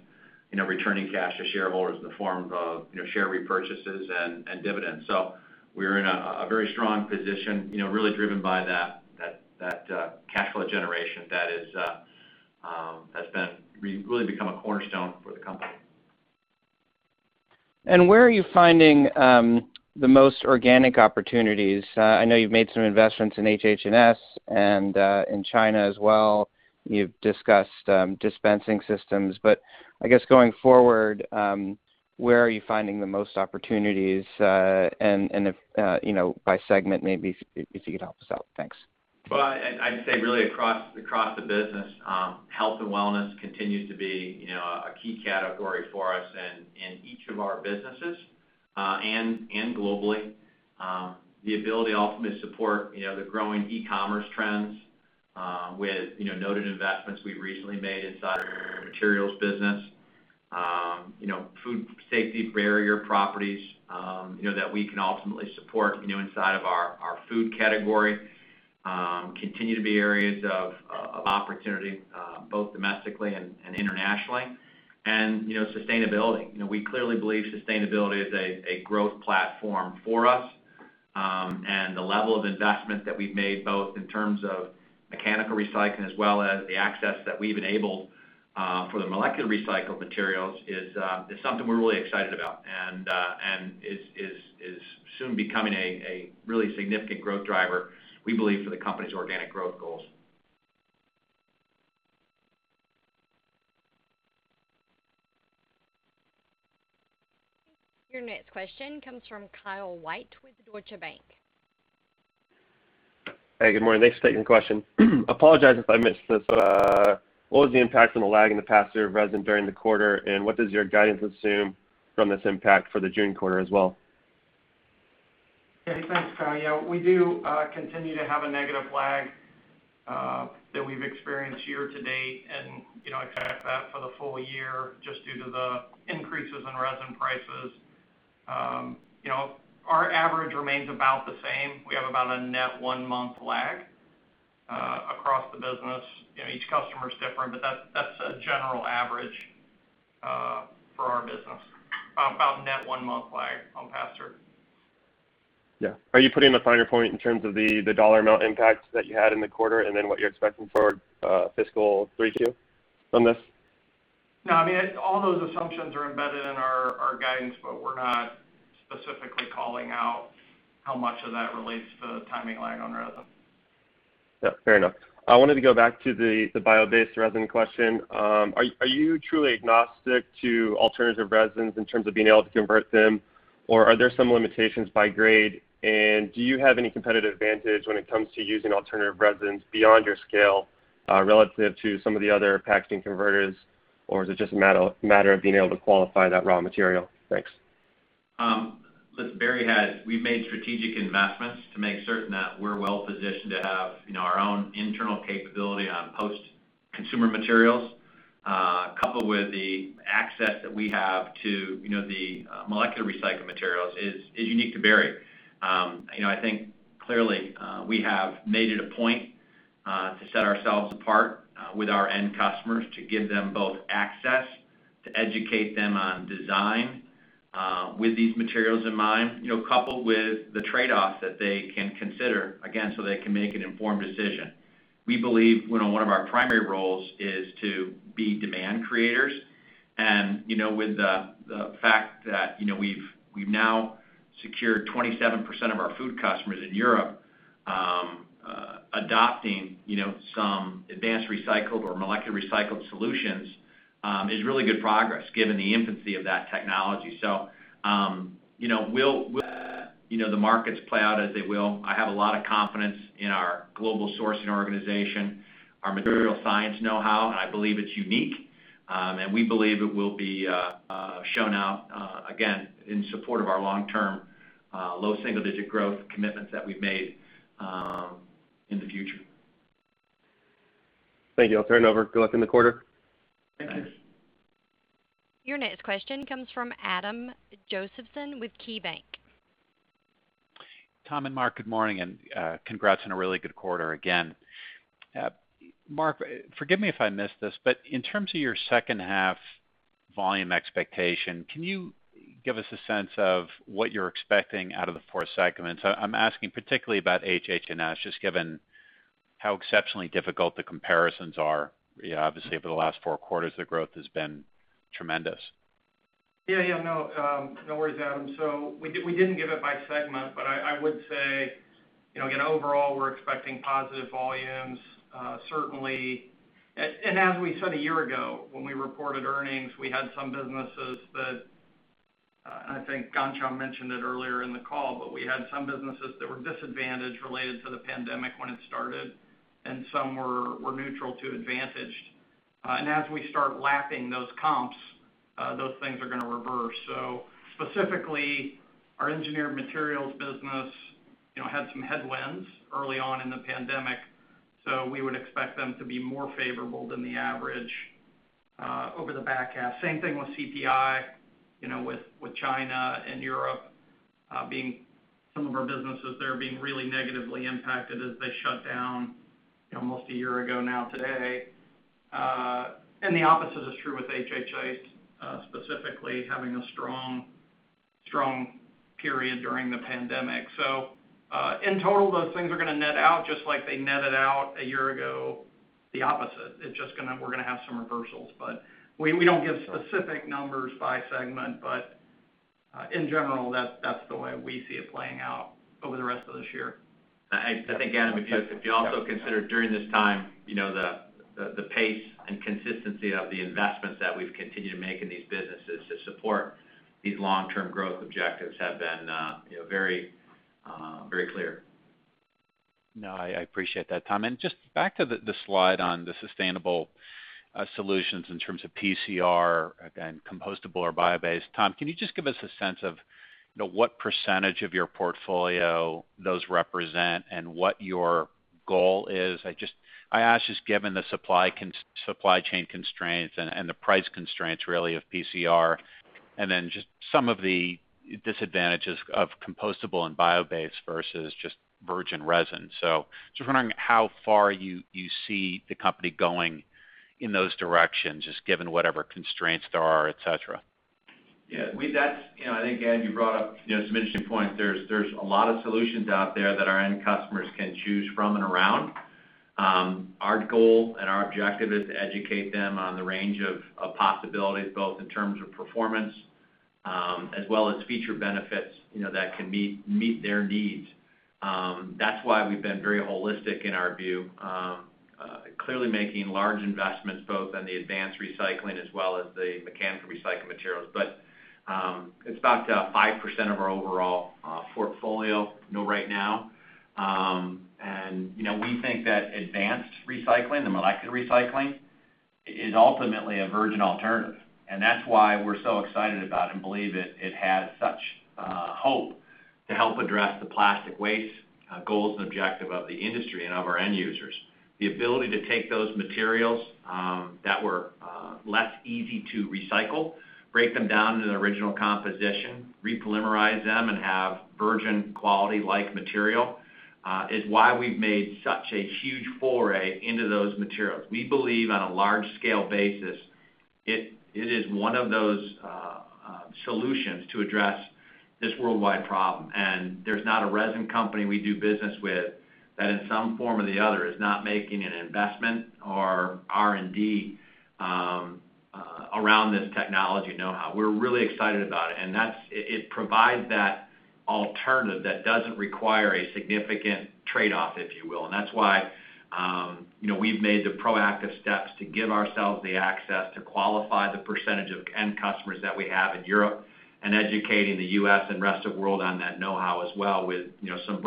Speaker 3: returning cash to shareholders in the form of share repurchases and dividends. We're in a very strong position, really driven by that cash flow generation that has really become a cornerstone for the company.
Speaker 10: Where are you finding the most organic opportunities? I know you've made some investments in HH&S and in China as well. You've discussed dispensing systems. I guess going forward, where are you finding the most opportunities? If by segment, maybe if you could help us out. Thanks.
Speaker 3: Well, I'd say really across the business, health and wellness continues to be a key category for us in each of our businesses and globally. The ability ultimately to support the growing e-commerce trends with noted investments we recently made inside our Engineered Materials business, and food safety barrier properties that we can ultimately support inside of our food category continue to be areas of opportunity both domestically and internationally. Sustainability. We clearly believe sustainability is a growth platform for us. The level of investment that we've made, both in terms of mechanical recycling as well as the access that we've enabled for the molecular recycling materials, is something we're really excited about and is soon becoming a really significant growth driver, we believe, for the company's organic growth goals.
Speaker 1: Your next question comes from Kyle White with Deutsche Bank.
Speaker 11: Hey. Good morning. Thanks for taking the question. Apologize if I missed this. What was the impact on the lag in the pass-through of resin during the quarter, and what does your guidance assume from this impact for the June quarter as well?
Speaker 4: Okay. Thanks, Kyle. Yeah, we do continue to have a negative lag that we've experienced year to date, and expect that for the full year just due to the increases in resin prices. Our average remains about the same. We have about a net one-month lag across the business. Each customer's different, but that's a general average for our business. About a net one-month lag on pass-through.
Speaker 11: Yeah. Are you putting a finer point in terms of the dollar amount impact that you had in the quarter and then what you're expecting for fiscal 3Q on this?
Speaker 4: No. All those assumptions are embedded in our guidance, but we're not specifically calling out how much of that relates to the timing lag on resin.
Speaker 11: Yeah. Fair enough. I wanted to go back to the bio-based resin question. Are you truly agnostic to alternative resins in terms of being able to convert them, or are there some limitations by grade? Do you have any competitive advantage when it comes to using alternative resins beyond your scale relative to some of the other packaging converters, or is it just a matter of being able to qualify that raw material? Thanks.
Speaker 3: Listen, Berry has-- We've made strategic investments to make certain that we're well positioned to have our own internal capability on post-consumer materials. Coupled with the access that we have to the molecular recycling materials is unique to Berry. I think clearly we have made it a point to set ourselves apart with our end customers to give them both access, to educate them on design with these materials in mind, coupled with the trade-offs that they can consider, again, so they can make an informed decision. We believe one of our primary roles is to be demand creators, and with the fact that we've now secured 27% of our food customers in Europe adopting some advanced recycling or molecular recycling solutions is really good progress given the infancy of that technology. So we'll let the markets play out as they will. I have a lot of confidence in our global sourcing organization, our material science knowhow, and I believe it's unique. We believe it will be shown out, again, in support of our long-term, low single-digit growth commitments that we've made in the future.
Speaker 11: Thank you. I'll turn it over. Good luck in the quarter.
Speaker 4: Thank you.
Speaker 3: Thanks.
Speaker 1: Your next question comes from Adam Josephson with KeyBanc.
Speaker 12: Tom and Mark, good morning, and congrats on a really good quarter again. Mark, forgive me if I missed this, but in terms of your second half volume expectation, can you give us a sense of what you're expecting out of the four segments? I'm asking particularly about HH&S, just given how exceptionally difficult the comparisons are. Obviously, over the last four quarters, the growth has been tremendous.
Speaker 4: Yeah. No worries, Adam. We didn't give it by segment, but I would say, again, overall, we're expecting positive volumes. Certainly, as we said a year ago when we reported earnings, we had some businesses that, I think Ghansham mentioned it earlier in the call, we had some businesses that were disadvantaged related to the pandemic when it started, and some were neutral to advantaged. As we start lapping those comps, those things are going to reverse. Specifically, our Engineered Materials business had some headwinds early on in the pandemic. We would expect them to be more favorable than the average over the back half. Same thing with CPI, with China and Europe, some of our businesses there being really negatively impacted as they shut down almost a year ago now today. The opposite is true with HH&S, specifically having a strong period during the pandemic. In total, those things are going to net out just like they netted out a year ago the opposite. We're going to have some reversals. We don't give specific numbers by segment. In general, that's the way we see it playing out over the rest of this year.
Speaker 3: I think, Adam, if you also consider during this time the pace and consistency of the investments that we've continued to make in these businesses to support these long-term growth objectives have been very clear.
Speaker 12: No, I appreciate that, Tom. Just back to the slide on the sustainable solutions in terms of PCR and compostable or bio-based, Tom, can you just give us a sense of what % of your portfolio those represent and what your goal is? I ask just given the supply chain constraints and the price constraints really of PCR and then just some of the disadvantages of compostable and bio-based versus just virgin resin. Just wondering how far you see the company going in those directions, just given whatever constraints there are, et cetera.
Speaker 3: Yeah. With that, I think you brought up some interesting points. There's a lot of solutions out there that our end customers can choose from and around. Our goal and our objective is to educate them on the range of possibilities, both in terms of performance as well as feature benefits that can meet their needs. That's why we've been very holistic in our view, clearly making large investments both on the advanced recycling as well as the mechanical recycled materials. It's about 5% of our overall portfolio right now. We think that advanced recycling, the molecular recycling, is ultimately a virgin alternative, and that's why we're so excited about it and believe it has such hope to help address the plastic waste goals and objective of the industry and of our end users. The ability to take those materials that were less easy to recycle, break them down into their original composition, repolymerize them, and have virgin quality-like material is why we've made such a huge foray into those materials. We believe on a large-scale basis, it is one of those solutions to address this worldwide problem, and there's not a resin company we do business with that in some form or the other is not making an investment or R&D around this technology know-how. We're really excited about it, and it provides that alternative that doesn't require a significant trade-off, if you will. That's why we've made the proactive steps to give ourselves the access to qualify the percentage of end customers that we have in Europe and educating the U.S. and rest of world on that know-how as well with some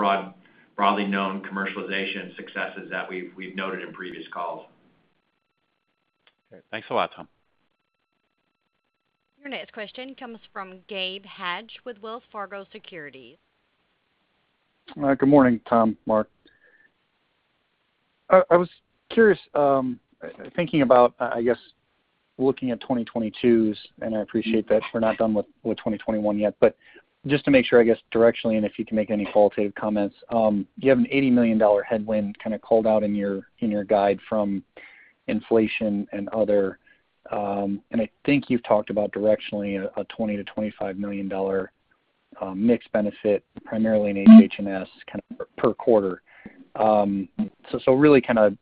Speaker 3: broadly known commercialization successes that we've noted in previous calls.
Speaker 12: Great. Thanks a lot, Tom.
Speaker 1: Your next question comes from Gabe Hajde with Wells Fargo Securities.
Speaker 13: Good morning, Tom, Mark. I was curious, thinking about looking at 2022's, and I appreciate that we're not done with 2021 yet, but just to make sure directionally, and if you can make any qualitative comments, you have an $80 million headwind kind of called out in your guide from inflation and other, and I think you've talked about directionally a $20 million-$25 million mixed benefit primarily in HH&S kind of per quarter, so really kind of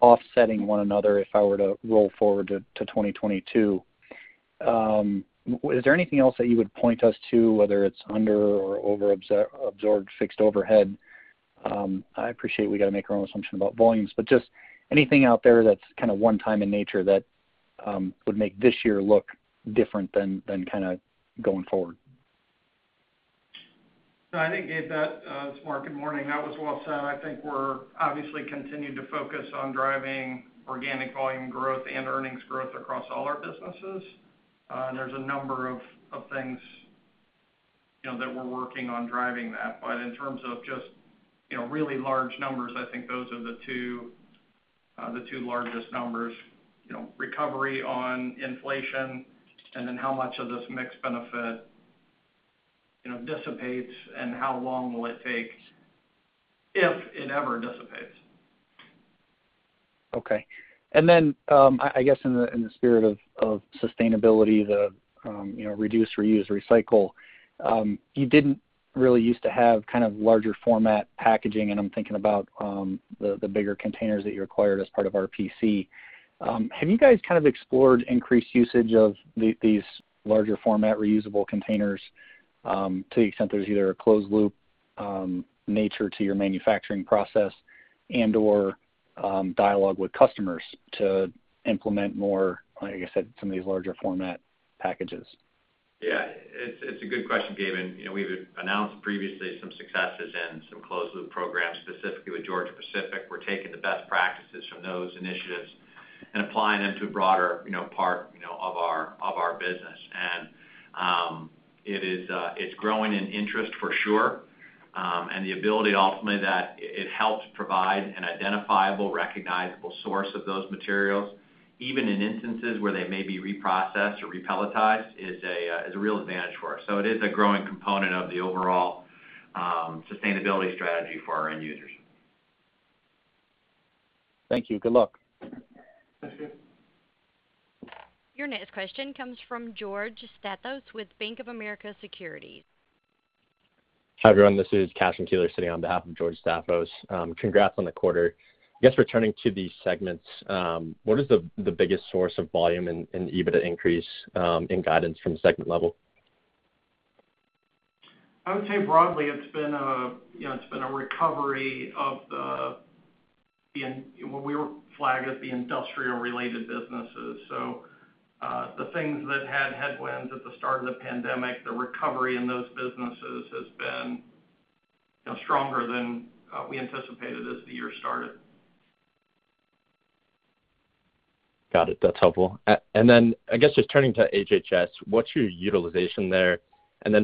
Speaker 13: offsetting one another if I were to roll forward to 2022. Is there anything else that you would point us to, whether it's under or over-absorbed fixed overhead? I appreciate we got to make our own assumption about volumes, but just anything out there that's kind of one time in nature that would make this year look different than kind of going forward?
Speaker 4: No, I think, Gabe, it's Mark. Good morning. That was well said. I think we're obviously continuing to focus on driving organic volume growth and earnings growth across all our businesses. There's a number of things that we're working on driving that. In terms of just really large numbers, I think those are the two largest numbers. Recovery on inflation, how much of this mixed benefit dissipates and how long will it take if it ever dissipates.
Speaker 13: Okay. I guess in the spirit of sustainability, the reduce, reuse, recycle, you didn't really use to have kind of larger format packaging, and I'm thinking about the bigger containers that you acquired as part of RPC. Have you guys kind of explored increased usage of these larger format reusable containers to the extent there's either a closed loop nature to your manufacturing process and/or dialogue with customers to implement more, like I said, some of these larger format packages?
Speaker 3: Yeah. It's a good question, Gabe. We've announced previously some successes in some closed loop programs, specifically with Georgia-Pacific. We're taking the best practices from those initiatives and applying them to a broader part of our business. It's growing in interest for sure, and the ability ultimately that it helps provide an identifiable, recognizable source of those materials, even in instances where they may be reprocessed or re-pelletized, is a real advantage for us. It is a growing component of the overall sustainability strategy for our end users.
Speaker 13: Thank you. Good luck.
Speaker 4: Thank you.
Speaker 1: Your next question comes from George Staphos with Bank of America Securities.
Speaker 14: Hi, everyone. This is Cashen Keeler sitting on behalf of George Staphos. Congrats on the quarter. I guess returning to the segments, what is the biggest source of volume in EBITDA increase in guidance from segment level?
Speaker 4: I would say broadly, it's been a recovery of what we would flag as the industrial-related businesses. The things that had headwinds at the start of the pandemic, the recovery in those businesses has been stronger than we anticipated as the year started.
Speaker 14: Got it. That's helpful. I guess just turning to HH&S, what's your utilization there?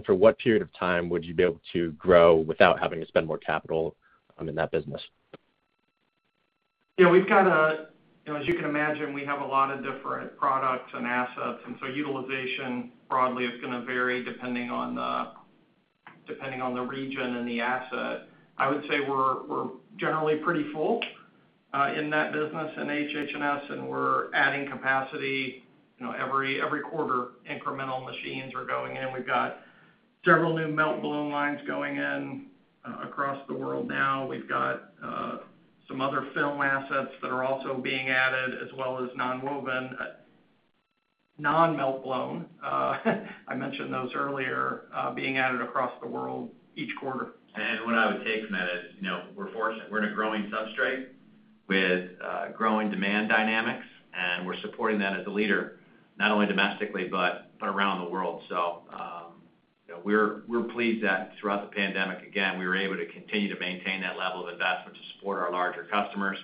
Speaker 14: For what period of time would you be able to grow without having to spend more capital in that business?
Speaker 4: As you can imagine, we have a lot of different products and assets, utilization broadly is going to vary depending on the region and the asset. I would say we're generally pretty full in that business in HH&S, and we're adding capacity. Every quarter, incremental machines are going in. We've got several new meltblown lines going in across the world now. We've got some other film assets that are also being added, as well as nonwoven, non-meltblown, I mentioned those earlier, being added across the world each quarter.
Speaker 3: What I would take from that is we're in a growing substrate with growing demand dynamics, and we're supporting that as a leader, not only domestically, but around the world. We're pleased that throughout the pandemic, again, we were able to continue to maintain that level of investment to support our larger customers,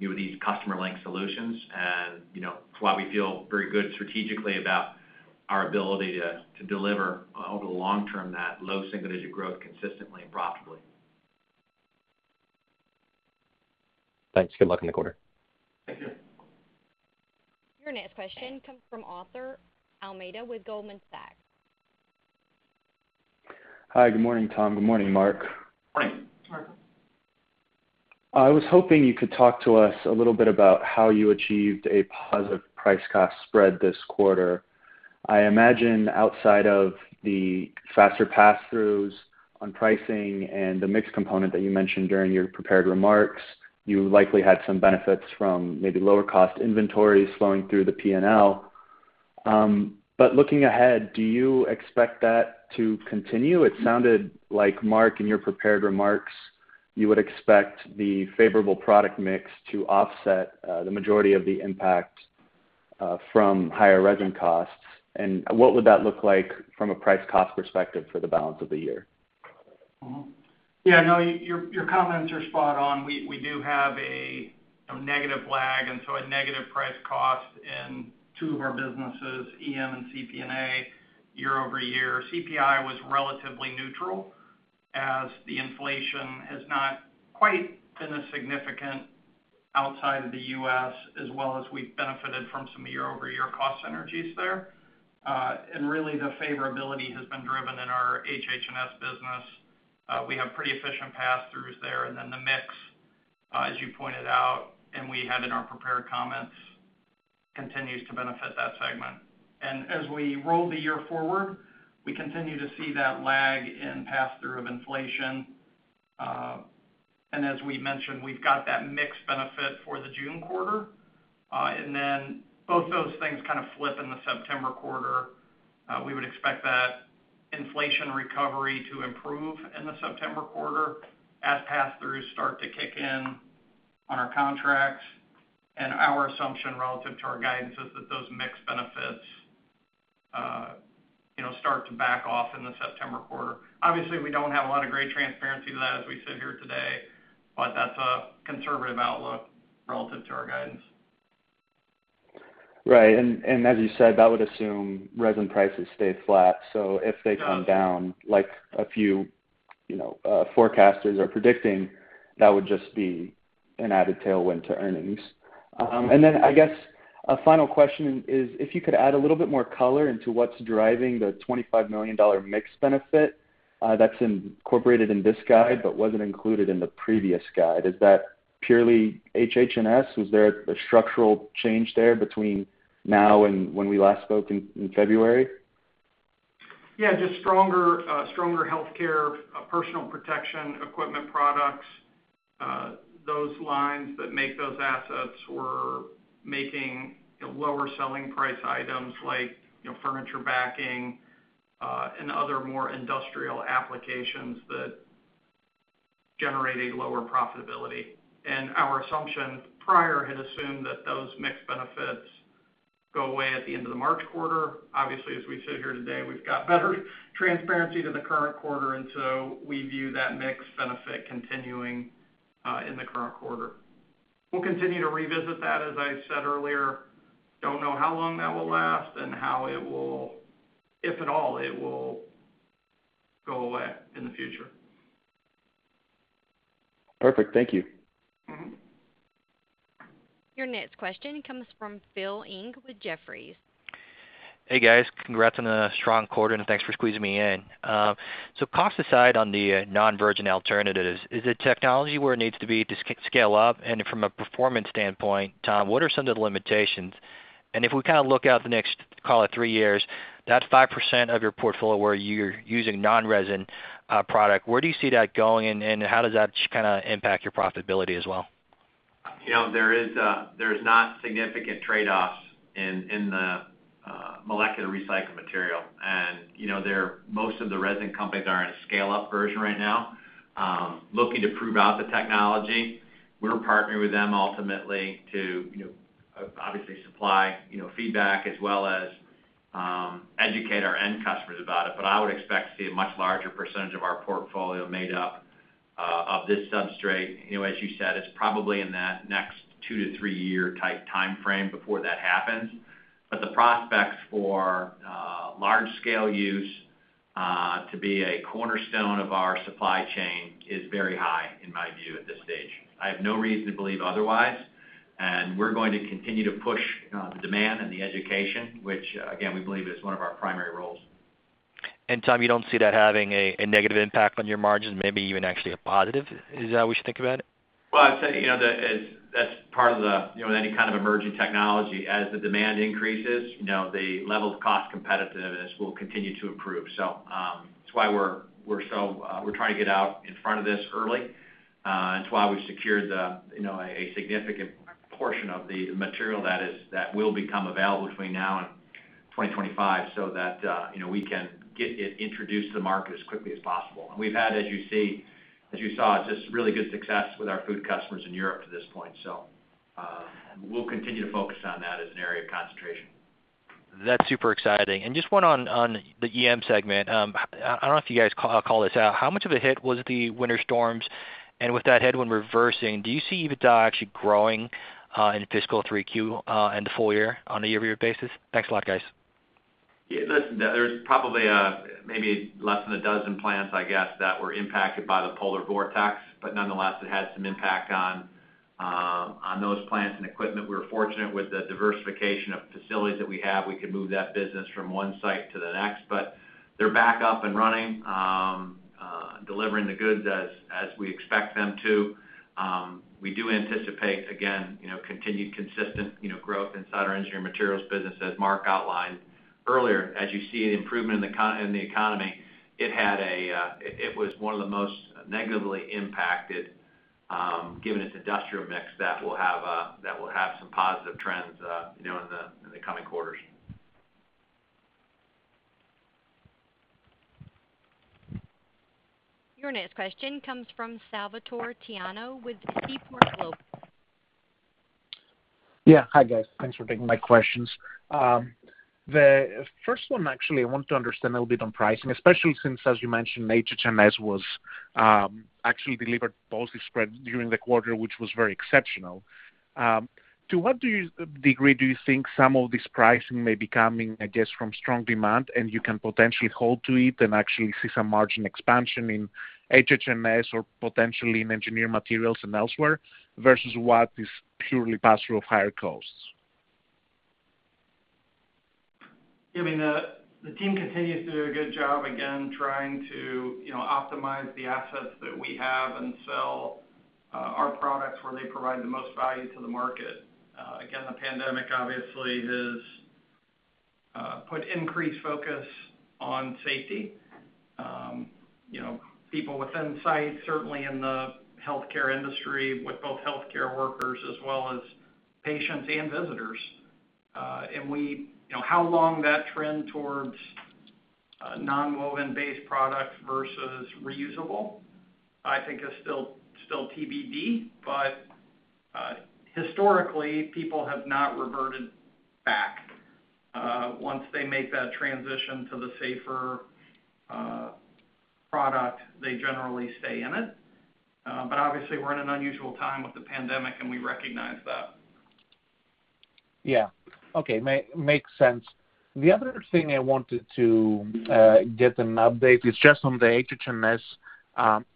Speaker 3: with these customer link solutions. It's why we feel very good strategically about our ability to deliver over the long term, that low single-digit growth consistently and profitably.
Speaker 14: Thanks. Good luck in the quarter.
Speaker 4: Thank you.
Speaker 1: Your next question comes from Arthur Almeida with Goldman Sachs.
Speaker 15: Hi. Good morning, Tom. Good morning, Mark.
Speaker 3: Morning.
Speaker 4: Arthur.
Speaker 15: I was hoping you could talk to us a little bit about how you achieved a positive price-cost spread this quarter. I imagine outside of the faster pass-throughs on pricing and the mix component that you mentioned during your prepared remarks, you likely had some benefits from maybe lower cost inventories flowing through the P&L. Looking ahead, do you expect that to continue? It sounded like Mark, in your prepared remarks, you would expect the favorable product mix to offset the majority of the impact from higher resin costs. What would that look like from a price cost perspective for the balance of the year?
Speaker 4: Yeah, no, your comments are spot on. We do have a negative lag, a negative price cost in two of our businesses, EM and CPNA, year-over-year. CPI was relatively neutral, as the inflation has not quite been as significant outside of the U.S., as well as we've benefited from some year-over-year cost synergies there. Really, the favorability has been driven in our HH&S business. We have pretty efficient pass-throughs there. The mix, as you pointed out and we have in our prepared comments, continues to benefit that segment. As we roll the year forward, we continue to see that lag in pass-through of inflation. As we mentioned, we've got that mix benefit for the June quarter. Both those things kind of flip in the September quarter. We would expect that inflation recovery to improve in the September quarter as pass-throughs start to kick in on our contracts. Our assumption relative to our guidance is that those mix benefits start to back off in the September quarter. Obviously, we don't have a lot of great transparency to that as we sit here today, but that's a conservative outlook relative to our guidance.
Speaker 15: Right. As you said, that would assume resin prices stay flat. If they come down like a few forecasters are predicting, that would just be an added tailwind to earnings. I guess a final question is if you could add a little bit more color into what's driving the $25 million mix benefit that's incorporated in this guide, but wasn't included in the previous guide. Is that purely HH&S? Was there a structural change there between now and when we last spoke in February?
Speaker 4: Yeah, just stronger healthcare, personal protection equipment products. Those lines that make those assets were making lower selling price items like furniture backing and other more industrial applications that generate a lower profitability. Our assumption prior had assumed that those mix benefits go away at the end of the March quarter. Obviously, as we sit here today, we've got better transparency to the current quarter. We view that mix benefit continuing in the current quarter. We'll continue to revisit that, as I said earlier. Don't know how long that will last and how it will, if at all, it will go away in the future.
Speaker 15: Perfect. Thank you.
Speaker 1: Your next question comes from Philip Ng with Jefferies.
Speaker 16: Hey, guys. Congrats on a strong quarter, and thanks for squeezing me in. Cost aside on the non-virgin alternatives, is the technology where it needs to be to scale up? From a performance standpoint, Tom, what are some of the limitations? If we look out the next, call it three years, that 5% of your portfolio where you're using non-resin product, where do you see that going, and how does that impact your profitability as well?
Speaker 3: There's not significant trade-offs in the molecular recycling material. Most of the resin companies are in a scale-up version right now, looking to prove out the technology. We're partnering with them ultimately to obviously supply feedback as well as educate our end customers about it. I would expect to see a much larger percentage of our portfolio made up of this substrate. As you said, it's probably in that next two to 3-year timeframe before that happens. The prospects for large-scale use to be a cornerstone of our supply chain is very high in my view at this stage. I have no reason to believe otherwise. We're going to continue to push the demand and the education, which again, we believe is one of our primary roles.
Speaker 16: Tom, you don't see that having a negative impact on your margin, maybe even actually a positive? Is that how we should think about it?
Speaker 3: Well, I'd say, that's part of any kind of emerging technology. As the demand increases, the level of cost competitiveness will continue to improve. It's why we're trying to get out in front of this early. It's why we've secured a significant portion of the material that will become available between now and 2025, so that we can get it introduced to the market as quickly as possible. We've had, as you saw, just really good success with our food customers in Europe to this point. We'll continue to focus on that as an area of concentration.
Speaker 16: That's super exciting. Just one on the EM segment. I don't know if you guys call this out, how much of a hit was the winter storms? With that headwind reversing, do you see EBITDA actually growing in fiscal 3Q and the full year on a year-over-year basis? Thanks a lot, guys.
Speaker 3: Listen, there's probably maybe less than 12 plants, I guess, that were impacted by the polar vortex, but nonetheless, it had some impact on those plants and equipment. We were fortunate with the diversification of facilities that we have. We could move that business from one site to the next, but they're back up and running, delivering the goods as we expect them to. We do anticipate, again, continued consistent growth inside our Engineered Materials business as Mark outlined earlier. As you see an improvement in the economy, it was one of the most negatively impacted, given its industrial mix that will have some positive trends in the coming quarters.
Speaker 1: Your next question comes from Salvator Tiano with Seaport Global.
Speaker 17: Yeah. Hi, guys. Thanks for taking my questions. The first one, actually, I want to understand a little bit on pricing, especially since, as you mentioned, HH&S was actually delivered positive spread during the quarter, which was very exceptional. To what degree do you think some of this pricing may be coming, I guess, from strong demand, and you can potentially hold to it and actually see some margin expansion in HH&S or potentially in Engineered Materials and elsewhere, versus what is purely pass-through of higher costs?
Speaker 4: I mean, the team continues to do a good job, again, trying to optimize the assets that we have and sell our products where they provide the most value to the market. The pandemic obviously has put increased focus on safety. People within site, certainly in the healthcare industry, with both healthcare workers as well as patients and visitors. How long that trend towards nonwoven-based product versus reusable, I think is still TBD. Historically, people have not reverted back. Once they make that transition to the safer product, they generally stay in it. Obviously, we're in an unusual time with the pandemic, and we recognize that.
Speaker 17: Yeah. Okay. Makes sense. The other thing I wanted to get an update is just on the HH&S.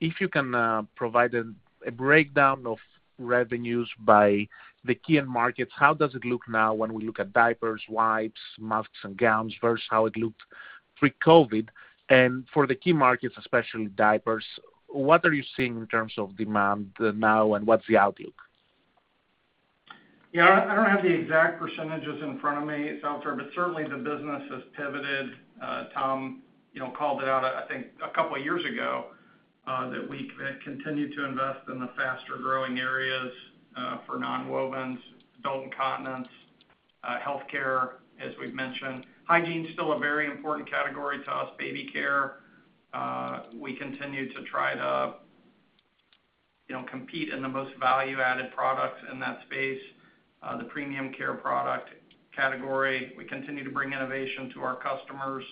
Speaker 17: If you can provide a breakdown of revenues by the key end markets, how does it look now when we look at diapers, wipes, masks, and gowns, versus how it looked pre-COVID? For the key markets, especially diapers, what are you seeing in terms of demand now, and what's the outlook?
Speaker 4: Yeah, I don't have the exact percentages in front of me, Salvatore, but certainly the business has pivoted. Tom called it out, I think, a couple of years ago, that we continue to invest in the faster-growing areas, for nonwovens, adult incontinence, healthcare, as we've mentioned. Hygiene's still a very important category to us. Baby care, we continue to try to compete in the most value-added products in that space. The premium care product category, we continue to bring innovation to our customers,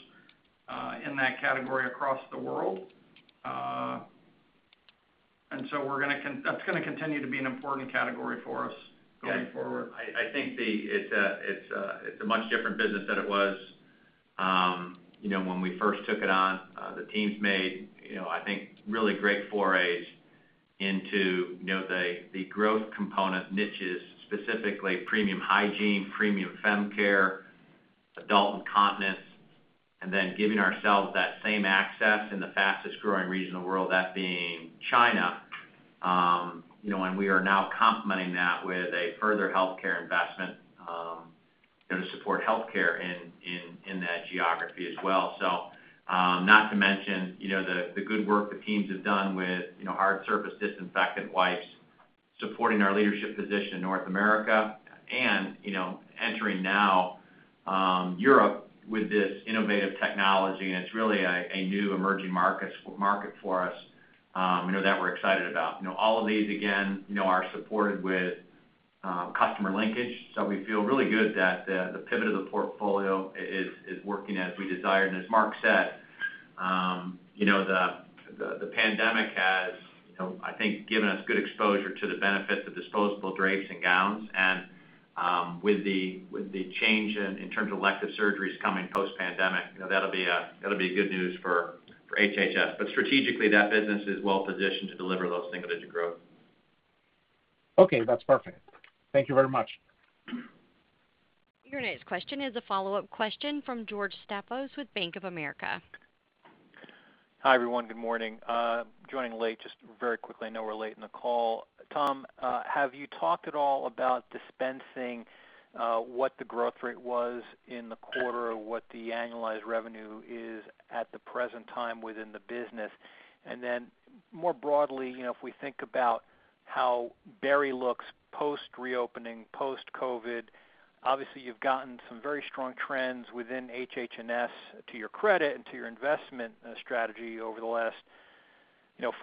Speaker 4: in that category across the world. That's going to continue to be an important category for us going forward.
Speaker 3: Yeah, I think it's a much different business than it was when we first took it on. The team's made, I think, really great forays into the growth component niches, specifically premium hygiene, premium fem care, adult incontinence. Then giving ourselves that same access in the fastest growing region in the world, that being China. We are now complementing that with a further healthcare investment to support healthcare in that geography as well. Not to mention the good work the teams have done with hard surface disinfectant wipes, supporting our leadership position in North America and entering now Europe with this innovative technology. It's really a new emerging market for us that we're excited about. All of these, again, are supported with customer linkage. We feel really good that the pivot of the portfolio is working as we desired. As Mark said, the pandemic has, I think given us good exposure to the benefit of disposable drapes and gowns and with the change in terms of elective surgeries coming post-pandemic, that'll be good news for HH&S. Strategically, that business is well-positioned to deliver those single-digit growth.
Speaker 17: Okay, that's perfect. Thank you very much.
Speaker 1: Your next question is a follow-up question from George Staphos with Bank of America.
Speaker 18: Hi, everyone. Good morning. Joining late, just very quickly, I know we're late in the call. Tom, have you talked at all about dispensing, what the growth rate was in the quarter, or what the annualized revenue is at the present time within the business? More broadly, if we think about how Berry looks post-reopening, post-COVID, obviously, you've gotten some very strong trends within HH&S to your credit and to your investment strategy over the last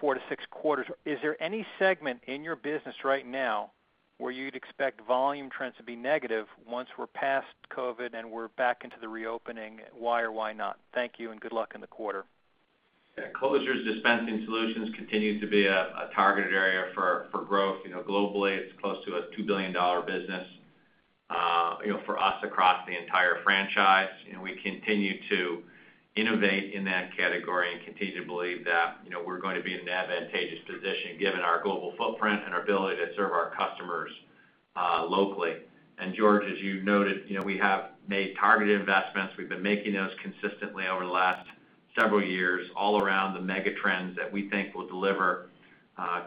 Speaker 18: four to six quarters. Is there any segment in your business right now where you'd expect volume trends to be negative once we're past COVID and we're back into the reopening? Why or why not? Thank you and good luck in the quarter.
Speaker 3: Yeah. Closures dispensing solutions continue to be a targeted area for growth. Globally, it's close to a $2 billion business for us across the entire franchise. We continue to innovate in that category and continue to believe that we're going to be in an advantageous position given our global footprint and our ability to serve our customers locally. George, as you noted, we have made targeted investments. We've been making those consistently over the last several years all around the mega trends that we think will deliver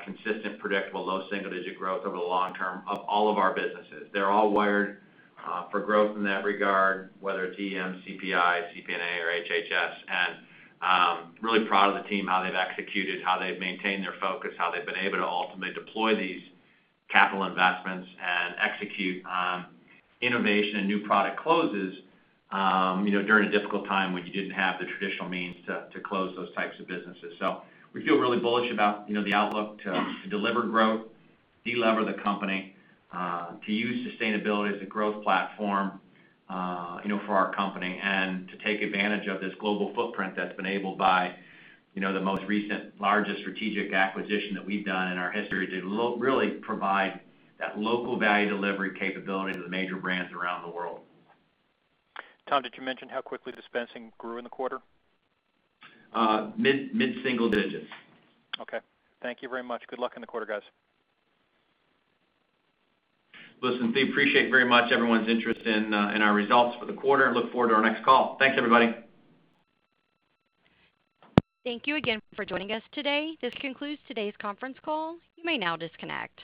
Speaker 3: consistent, predictable, low single-digit growth over the long term of all of our businesses. They're all wired for growth in that regard, whether it's EM, CPI, CPNA, or HH&S, and really proud of the team, how they've executed, how they've maintained their focus, how they've been able to ultimately deploy these capital investments and execute innovation and new product closes during a difficult time when you didn't have the traditional means to close those types of businesses. We feel really bullish about the outlook to deliver growth, de-lever the company, to use sustainability as a growth platform for our company, and to take advantage of this global footprint that's been enabled by the most recent, largest strategic acquisition that we've done in our history to really provide that local value delivery capability to the major brands around the world.
Speaker 18: Tom, did you mention how quickly dispensing grew in the quarter?
Speaker 3: Mid-single digits.
Speaker 18: Okay. Thank you very much. Good luck in the quarter, guys.
Speaker 3: Listen, we appreciate very much everyone's interest in our results for the quarter and look forward to our next call. Thanks, everybody.
Speaker 1: Thank you again for joining us today. This concludes today's conference call. You may now disconnect.